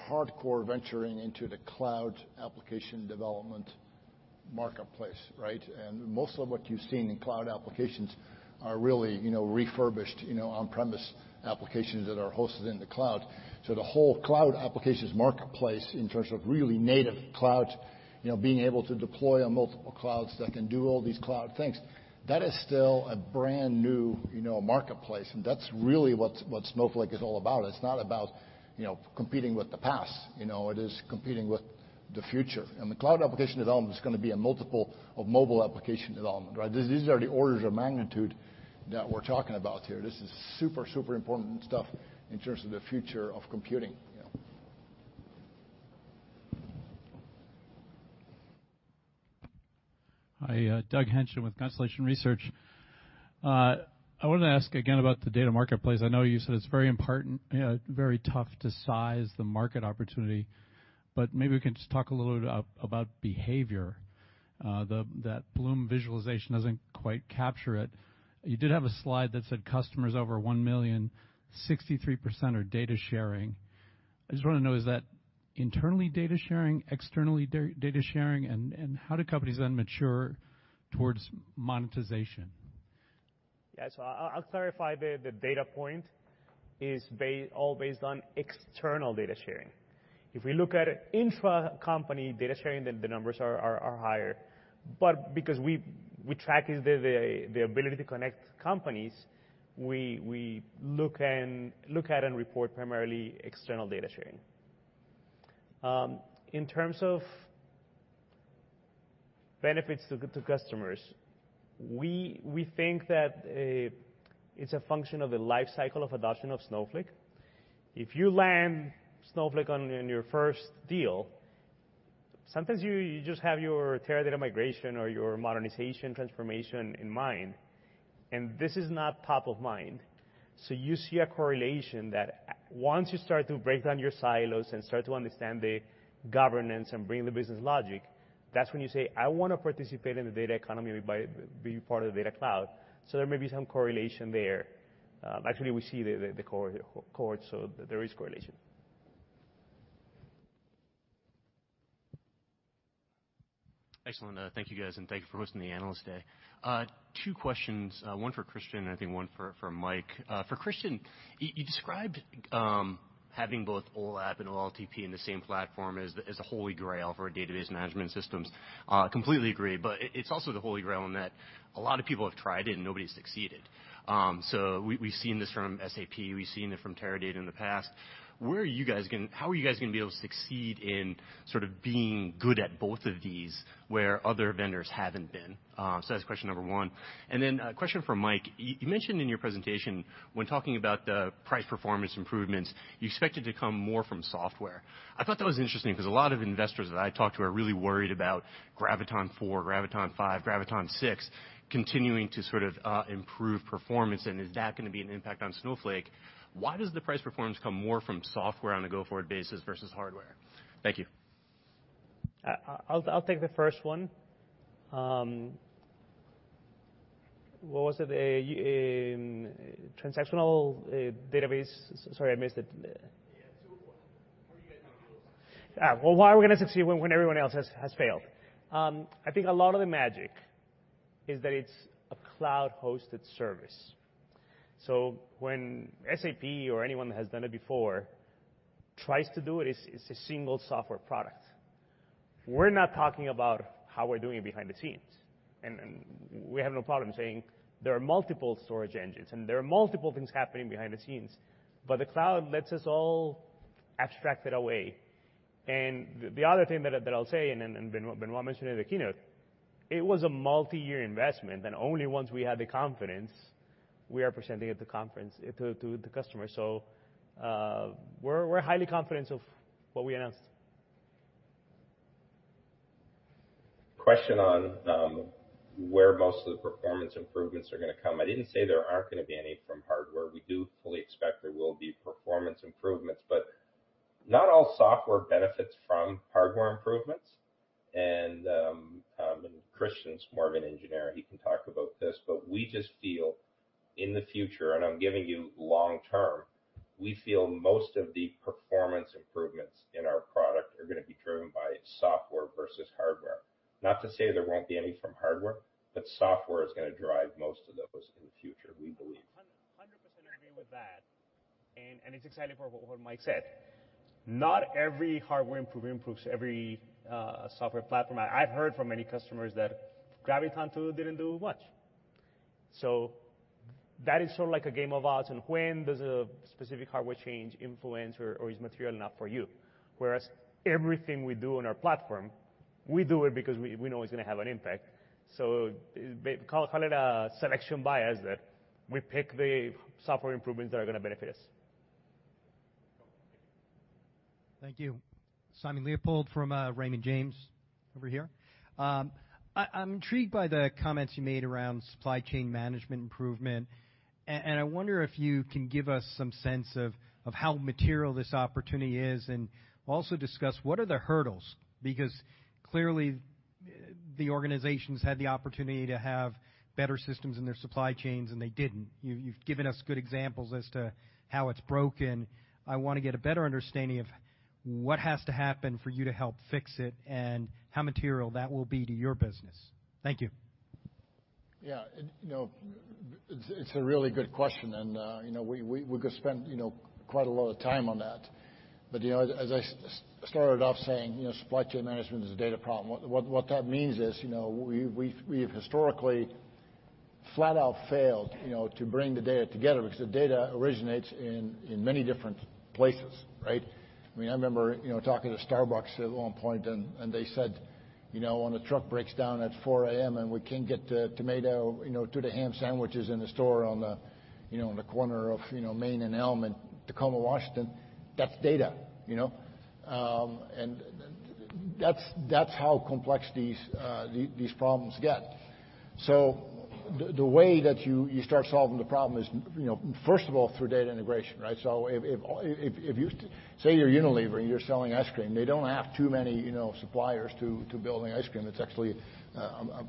hardcore venturing into the cloud application development marketplace, right? Most of what you've seen in cloud applications are really, you know, refurbished, you know, on-premise applications that are hosted in the cloud. The whole cloud applications marketplace in terms of really native cloud, you know, being able to deploy on multiple clouds that can do all these cloud things, that is still a brand-new, you know, marketplace. That's really what's Snowflake is all about. It's not about, you know, competing with the past. You know, it is competing with the future. The cloud application development is gonna be a multiple of mobile application development, right? These are the orders of magnitude that we're talking about here. This is super important stuff in terms of the future of computing, you know. Hi. Doug Henschen with Constellation Research. I wanted to ask again about the data marketplace. I know you said it's very important, very tough to size the market opportunity, but maybe we can just talk a little bit about behavior. That bloom visualization doesn't quite capture it. You did have a slide that said customers over 1 million, 63% are data sharing. I just wanna know, is that internally data sharing, externally data sharing? And how do companies then mature towards monetization? I'll clarify the data point is all based on external data sharing. If we look at intra-company data sharing, then the numbers are higher. Because we track is the ability to connect companies, we look at and report primarily external data sharing. In terms of benefits to customers, we think that it's a function of a life cycle of adoption of Snowflake. If you land Snowflake in your first deal, sometimes you just have your Teradata migration or your modernization transformation in mind, and this is not top-of-mind. You see a correlation that once you start to break down your silos and start to understand the governance and bring the business logic, that's when you say, "I wanna participate in the data economy by being part of the Data Cloud." There may be some correlation there. Actually we see the cord. There is correlation. Excellent. Thank you, guys, and thank you for hosting the Analyst Day. Two questions, one for Christian, I think one for Mike. For Christian, you described having both OLAP and OLTP in the same platform as a holy grail for database management systems. Completely agree, but it's also the holy grail in that a lot of people have tried it and nobody's succeeded. We've seen this from SAP, we've seen it from Teradata in the past. How are you guys gonna be able to succeed in sort of being good at both of these where other vendors haven't been? That's question number one. A question for Mike. You mentioned in your presentation when talking about the price performance improvements, you expect it to come more from software. I thought that was interesting 'cause a lot of investors that I talk to are really worried about Graviton 4, Graviton 5, Graviton 6 continuing to sort of improve performance, and is that gonna be an impact on Snowflake? Why does the price performance come more from software on a go-forward basis versus hardware? Thank you. I'll take the first one. What was it? A transactional database. Sorry, I missed it. Well, why are we gonna succeed when everyone else has failed? I think a lot of the magic is that it's a cloud-hosted service. When SAP or anyone that has done it before tries to do it's a single software product. We're not talking about how we're doing it behind the scenes, and we have no problem saying there are multiple storage engines, and there are multiple things happening behind the scenes. The cloud lets us all abstract it away. The other thing that I'll say, and Benoit mentioned in the keynote, it was a multi-year investment, and only once we had the confidence we are presenting at the conference, to the customer. We're highly confident of what we announced. Question on where most of the performance improvements are going to come. I didn't say there aren't going to be any from hardware. We do fully expect there will be performance improvements, but not all software benefits from hardware improvements. Christian's more of an engineer, he can talk about this, but we just feel in the future, and I'm giving you long-term, we feel most of the performance improvements in our product are going to be driven by software versus hardware. Not to say there won't be any from hardware, but software is going to drive most of those in the future, we believe. 100% agree with that. It's exciting for what Mike said. Not every hardware improvement improves every software platform. I've heard from many customers that Graviton2 didn't do much. That is sort of like a game of odds, and when does a specific hardware change influence or is material enough for you? Whereas everything we do on our platform, we do it because we know it's going to have an impact. Call it a selection bias that we pick the software improvements that are going to benefit us. Thank you. Simon Leopold from Raymond James over here. I'm intrigued by the comments you made around supply chain management improvement. I wonder if you can give us some sense of how material this opportunity is, and also discuss what are the hurdles? Because clearly, the organizations had the opportunity to have better systems in their supply chains, and they didn't. You've given us good examples as to how it's broken. I want to get a better understanding of what has to happen for you to help fix it and how material that will be to your business? Thank you. Yeah. You know, it's a really good question. You know, we could spend you know, quite a lot of time on that. You know, as I started off saying, you know, supply chain management is a data problem. What that means is, you know, we've historically flat out failed, you know, to bring the data together because the data originates in many different places, right? I mean, I remember you know, talking to Starbucks at one point and they said, "You know, when a truck breaks down at 4 A.M. and we can't get the tomato you know, to the ham sandwiches in the store on the corner of Main and Elm in Tacoma, Washington, that's data." You know. That's how complex these problems get. The way that you start solving the problem is, you know, first of all, through data integration, right? If you say you're Unilever and you're selling ice cream, they don't have too many, you know, suppliers to building ice cream. It's actually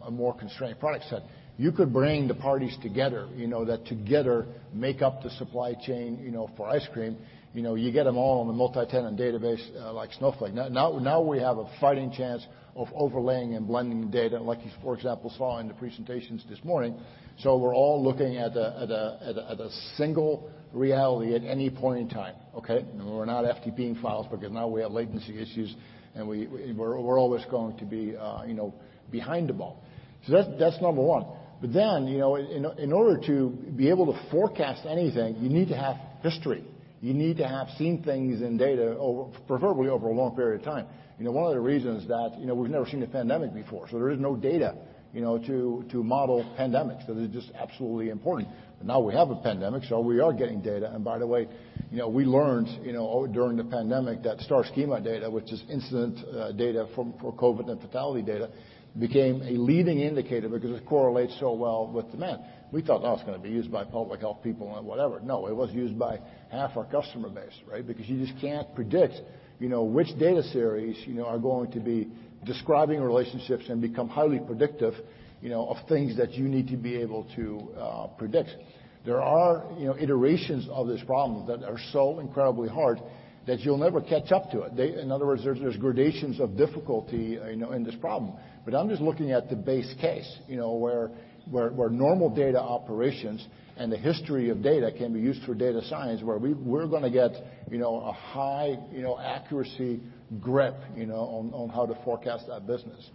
a more constrained product set. You could bring the parties together, you know, that together make up the supply chain, you know, for ice cream. You know, you get them all on a multi-tenant database like Snowflake. Now we have a fighting chance of overlaying and blending data, like you, for example, saw in the presentations this morning. We're all looking at a single reality at any point in time, okay? We're not FTP-ing files because now we have latency issues, and we're always going to be, you know, behind the ball. That's number one. You know, in order to be able to forecast anything, you need to have history. You need to have seen things in data over preferably over a long period of time. You know, one of the reasons that, you know, we've never seen a pandemic before, so there is no data, you know, to model pandemics. That is just absolutely important. Now we have a pandemic, so we are getting data. By the way, you know, we learned, you know, during the pandemic that Starschema data, which is incident data for COVID and fatality data, became a leading indicator because it correlates so well with demand. We thought that was going to be used by public health people and whatever. No, it was used by half our customer base, right? Because you just can't predict, you know, which data series, you know, are going to be describing relationships and become highly predictive, you know, of things that you need to be able to predict. There are, you know, iterations of this problem that are so incredibly hard that you'll never catch up to it. In other words, there's gradations of difficulty, you know, in this problem. But I'm just looking at the base case, you know, where normal data operations and the history of data can be used for data science, where we're gonna get, you know, a high, you know, accuracy grip, you know, on how to forecast that business.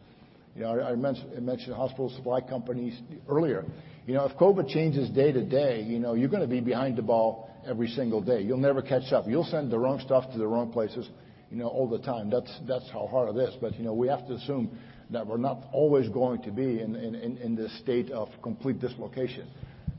You know, I mentioned hospital supply companies earlier. You know, if COVID changes day-to-day, you know, you're gonna be behind the ball every single day. You'll never catch up. You'll send the wrong stuff to the wrong places, you know, all the time. That's how hard it is. You know, we have to assume that we're not always going to be in this state of complete dislocation,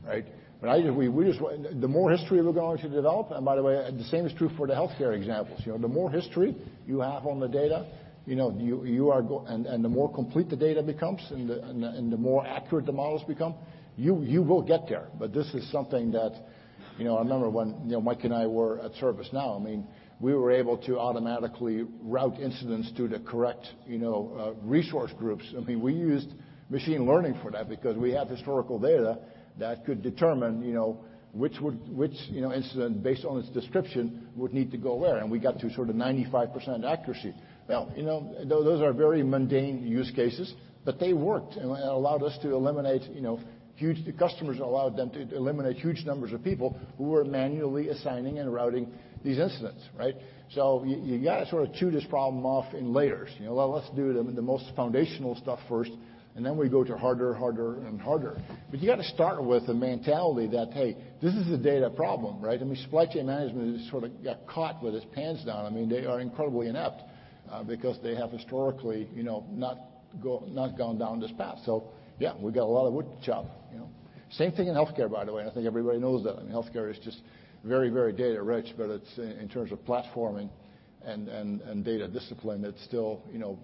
right? We just-- The more history we're going to develop, and by the way, the same is true for the healthcare examples. You know, the more history you have on the data, you know, you are go-- and the more complete the data becomes and the more accurate the models become, you will get there. This is something that, you know, I remember when, you know, Mike and I were at ServiceNow. I mean, we were able to automatically route incidents to the correct, you know, resource groups. I mean, we used machine learning for that because we have historical data that could determine, you know, which incident based on its description would need to go where. We got to sort of 95% accuracy. Well, you know, those are very mundane use cases, but they worked and the customers allowed them to eliminate huge numbers of people who were manually assigning and routing these incidents, right? You gotta sort of chew this problem off in layers. You know, let's do the most foundational stuff first, and then we go to harder and harder and harder. You got to start with the mentality that, "Hey, this is a data problem," right? I mean, supply chain management sort of got caught with its pants down. I mean, they are incredibly inept, because they have historically, you know, not gone down this path. Yeah, we've got a lot of wood to chop, you know? Same thing in healthcare, by the way. I think everybody knows that. I mean, healthcare is just very, very data-rich, but it's in terms of platforming and data discipline, it's still, you know,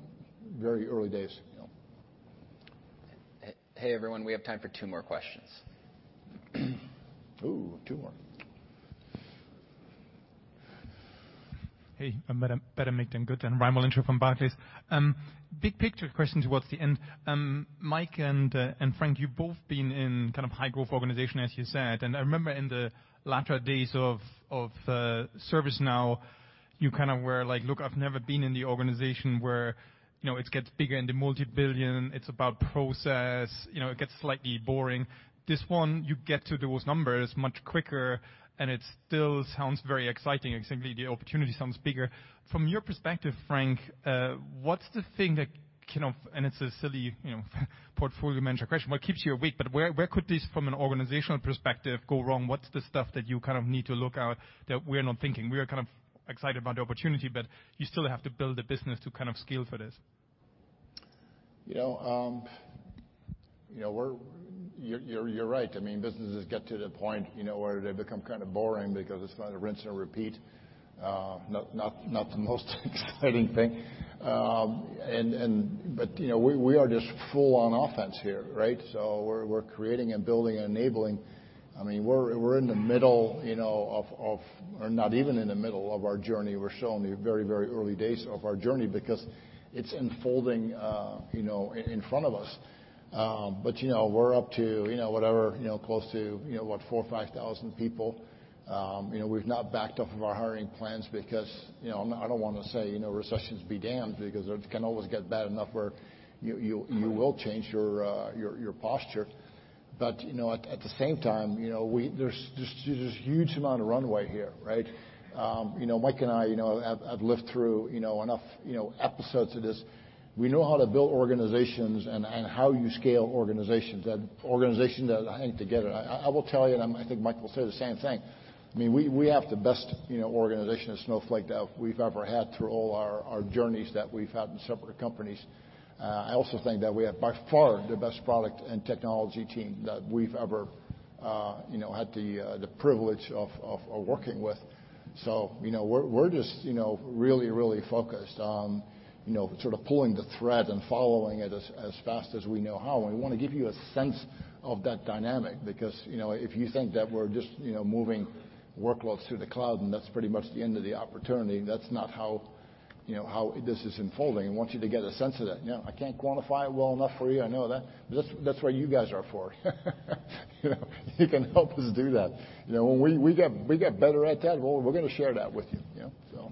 very early days, you know. Hey everyone, we have time for two more questions. Hey, I'm [Adam] Big picture question towards the end, Mike and Frank, you've both been in kind of high growth organizations, as you said, and I remember in the latter days of ServiceNow, you kind of were like, "Look, I've never been in the organization where, you know, it gets bigger in the multi-billion, it's about process, you know, it gets slightly boring." This one, you get to those numbers much quicker, and it still sounds very exciting, simply the opportunity sounds bigger. From your perspective, Frank, what's the thing that kind of, and it's a silly, you know, portfolio manager question, what keeps you awake, but where could this, from an organizational perspective, go wrong? What's the stuff that you kind of need to look out that we're not thinking? We are kind of excited about the opportunity, but you still have to build a business to kind of scale for this. You know, you're right, I mean, businesses get to the point where they become kind of boring because it's about a rinse and repeat, not the most exciting thing, but we are just full on offense here, right? We're creating and building and enabling, I mean, we're in the middle of, or not even in the middle of our journey, we're still in the very, very early days of our journey because it's unfolding, you know, in front of us. We're up to, you know, whatever, you know, close to, you know, what, 4,000 or 5,000 people, you know, we've not backed off of our hiring plans because, you know, I don't want to say, you know, recessions be damned because it can always get bad enough where you will change your posture. At the same time, you know, there's a huge amount of runway here, right? You know, Mike and I, you know, I've lived through, you know, enough, you know, episodes of this. We know how to build organizations and how you scale organizations and organizations that hang together. I will tell you, and I think Mike will say the same thing, I mean, we have the best, you know, organization at Snowflake that we've ever had through all our journeys that we've had in separate companies. I also think that we have by far the best product and technology team that we've ever, you know, had the privilege of working with, so, you know, we're just, you know, really, really focused on, you know, sort of pulling the thread and following it as fast as we know how. We want to give you a sense of that dynamic because, you know, if you think that we're just, you know, moving workloads through the cloud and that's pretty much the end of the opportunity and that's not how, you know, how this is unfolding. I want you to get a sense of that. You know, I can't quantify it well enough for you. I know that. That's what you guys are for. You can help us do that. You know, when we get better at that, well, we're going to share that with you, you know, so.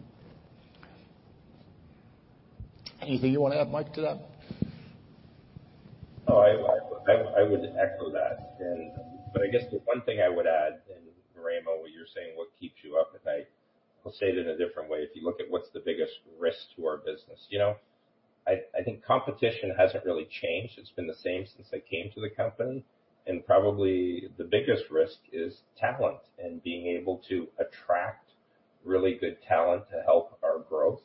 Anything you want to add, Mike, to that? I guess the one thing I would add, and [Ramo], you're saying what keeps you up at night, I'll say it in a different way. If you look at what's the biggest risk to our business, you know, I think competition hasn't really changed. It's been the same since I came to the company and probably the biggest risk is talent and being able to attract really good talent to help our growth.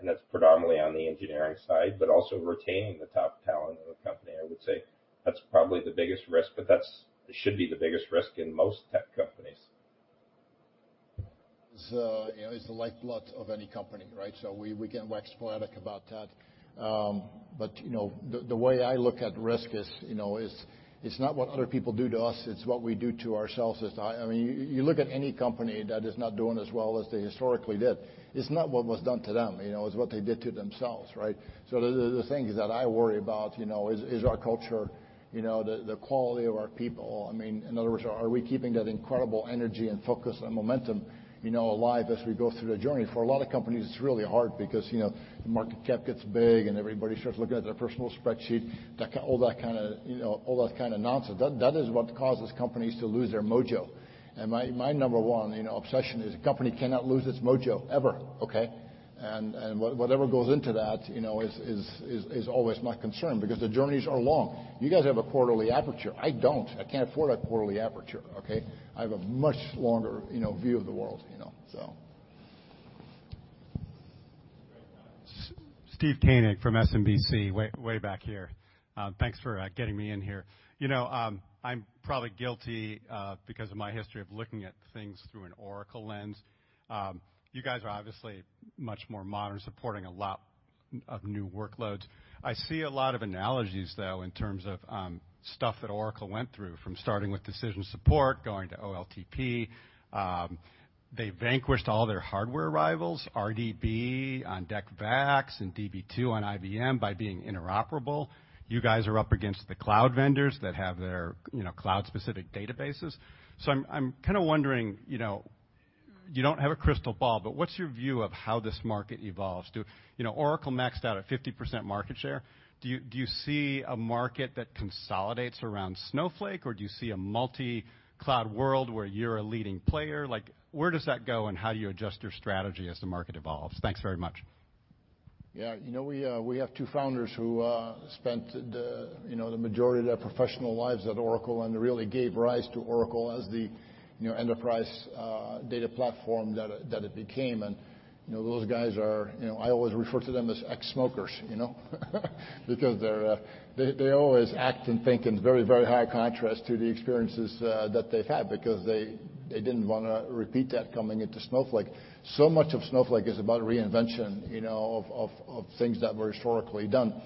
And that's predominantly on the engineering side, but also retaining that talent of the company. I would say that's probably the biggest risk, but that should be the biggest risk in most tech companies. You know, it's the lifeblood of any company, right? We can wax poetic about that. You know, the way I look at risk is, you know, it's not what other people do to us, it's what we do to ourselves. I mean, you look at any company that is not doing as well as they historically did, it's not what was done to them, you know, it's what they did to themselves, right? The things that I worry about, you know, is our culture, you know, the quality of our people. I mean, in other words, are we keeping that incredible energy and focus and momentum, you know, alive as we go through the journey? For a lot of companies, it's really hard because, you know, the market cap gets big, and everybody starts looking at their personal spreadsheet. All that kinda, you know, all that kinda nonsense, that is what causes companies to lose their mojo. My number one, you know, obsession is the company cannot lose its mojo, ever, okay? Whatever goes into that, you know, is always my concern because the journeys are long. You guys have a quarterly aperture. I don't. I can't afford a quarterly aperture, okay? I have a much longer, you know, view of the world, you know? Steve Koenig from SMBC way back here. Thanks for getting me in here. You know, I'm probably guilty because of my history of looking at things through an Oracle lens. You guys are obviously much more modern, supporting a lot of new workloads. I see a lot of analogies, though, in terms of stuff that Oracle went through from starting with decision support, going to OLTP. They vanquished all their hardware rivals, Rdb on DEC VAX and Db2 on IBM by being interoperable. You guys are up against the cloud vendors that have their, you know, cloud-specific databases. I'm kinda wondering, you know, you don't have a crystal ball, but what's your view of how this market evolves? You know, Oracle maxed out at 50% market share. Do you see a market that consolidates around Snowflake, or do you see a multi-cloud world where you're a leading player? Like, where does that go, and how do you adjust your strategy as the market evolves? Thanks very much. Yeah. You know, we have two founders who spent the majority of their professional lives at Oracle, and really gave rise to Oracle as the enterprise data platform that it became. You know, those guys are, you know, I always refer to them as ex-smokers, you know? Because they always act and think in very, very high contrast to the experiences that they've had because they didn't wanna repeat that coming into Snowflake. Much of Snowflake is about reinvention, you know, of things that were historically done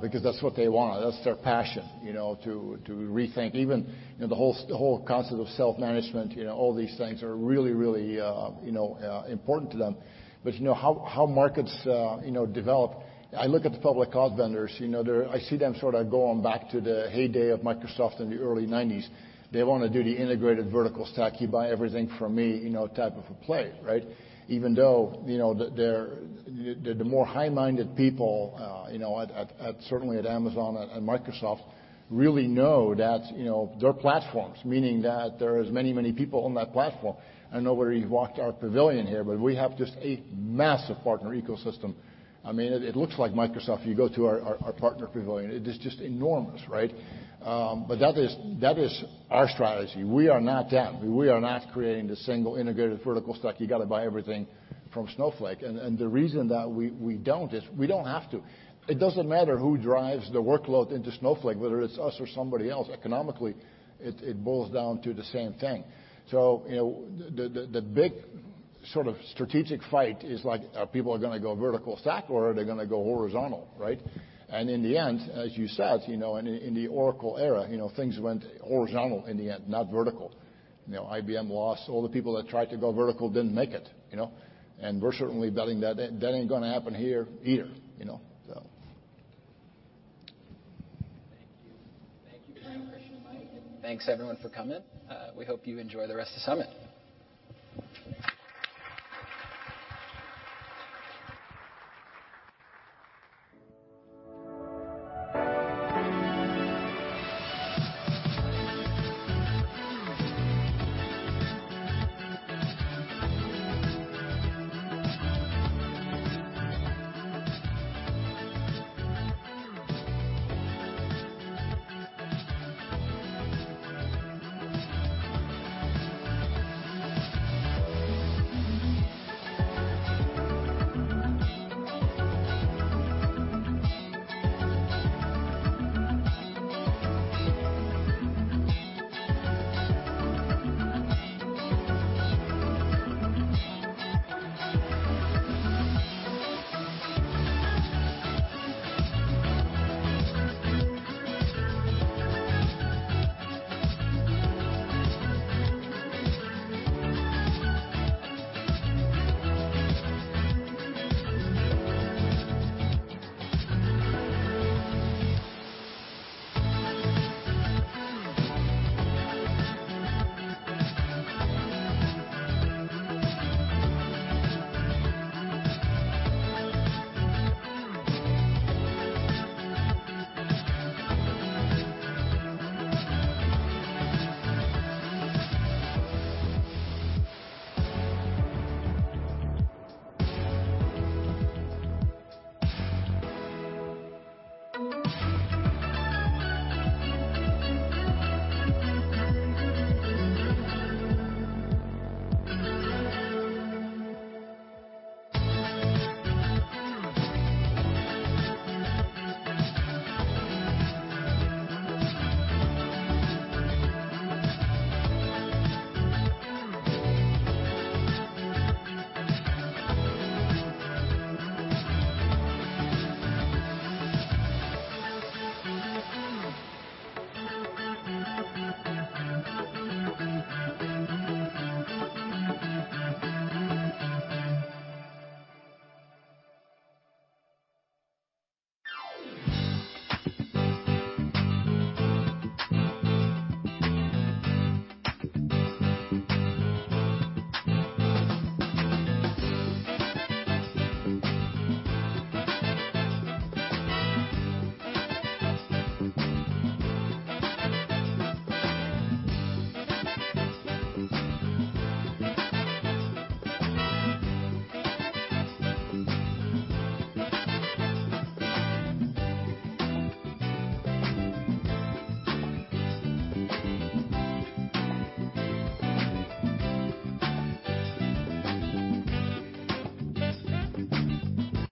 because that's what they want. That's their passion, you know, to rethink even the whole concept of self-management. You know, all these things are really, really important to them. You know how markets develop. I look at the public cloud vendors, you know. They're I see them sort of going back to the heyday of Microsoft in the early 1990s. They wanna do the integrated vertical stack. "You buy everything from me," you know, type of a play, right? Even though, you know, the more high-minded people, you know, at certainly at Amazon and Microsoft really know that, you know, they're platforms, meaning that there's many, many people on that platform. I don't know whether you've walked our pavilion here, but we have just a massive partner ecosystem. I mean, it looks like Microsoft. You go to our partner pavilion, it is just enormous, right? That is our strategy. We are not them. We are not creating the single integrated vertical stack, "You gotta buy everything from Snowflake." The reason that we don't is we don't have to. It doesn't matter who drives the workload into Snowflake, whether it's us or somebody else. Economically, it boils down to the same thing. You know, the big sort of strategic fight is, like, are people gonna go vertical stack or are they gonna go horizontal, right? In the end, as you said, you know, in the Oracle era, you know, things went horizontal in the end, not vertical. You know, IBM lost. All the people that tried to go vertical didn't make it, you know? We're certainly betting that that ain't gonna happen here either, you know? So. Thank you. Thank you, Frank, Christian, and Mike. Thanks everyone for coming. We hope you enjoy the rest of the summit.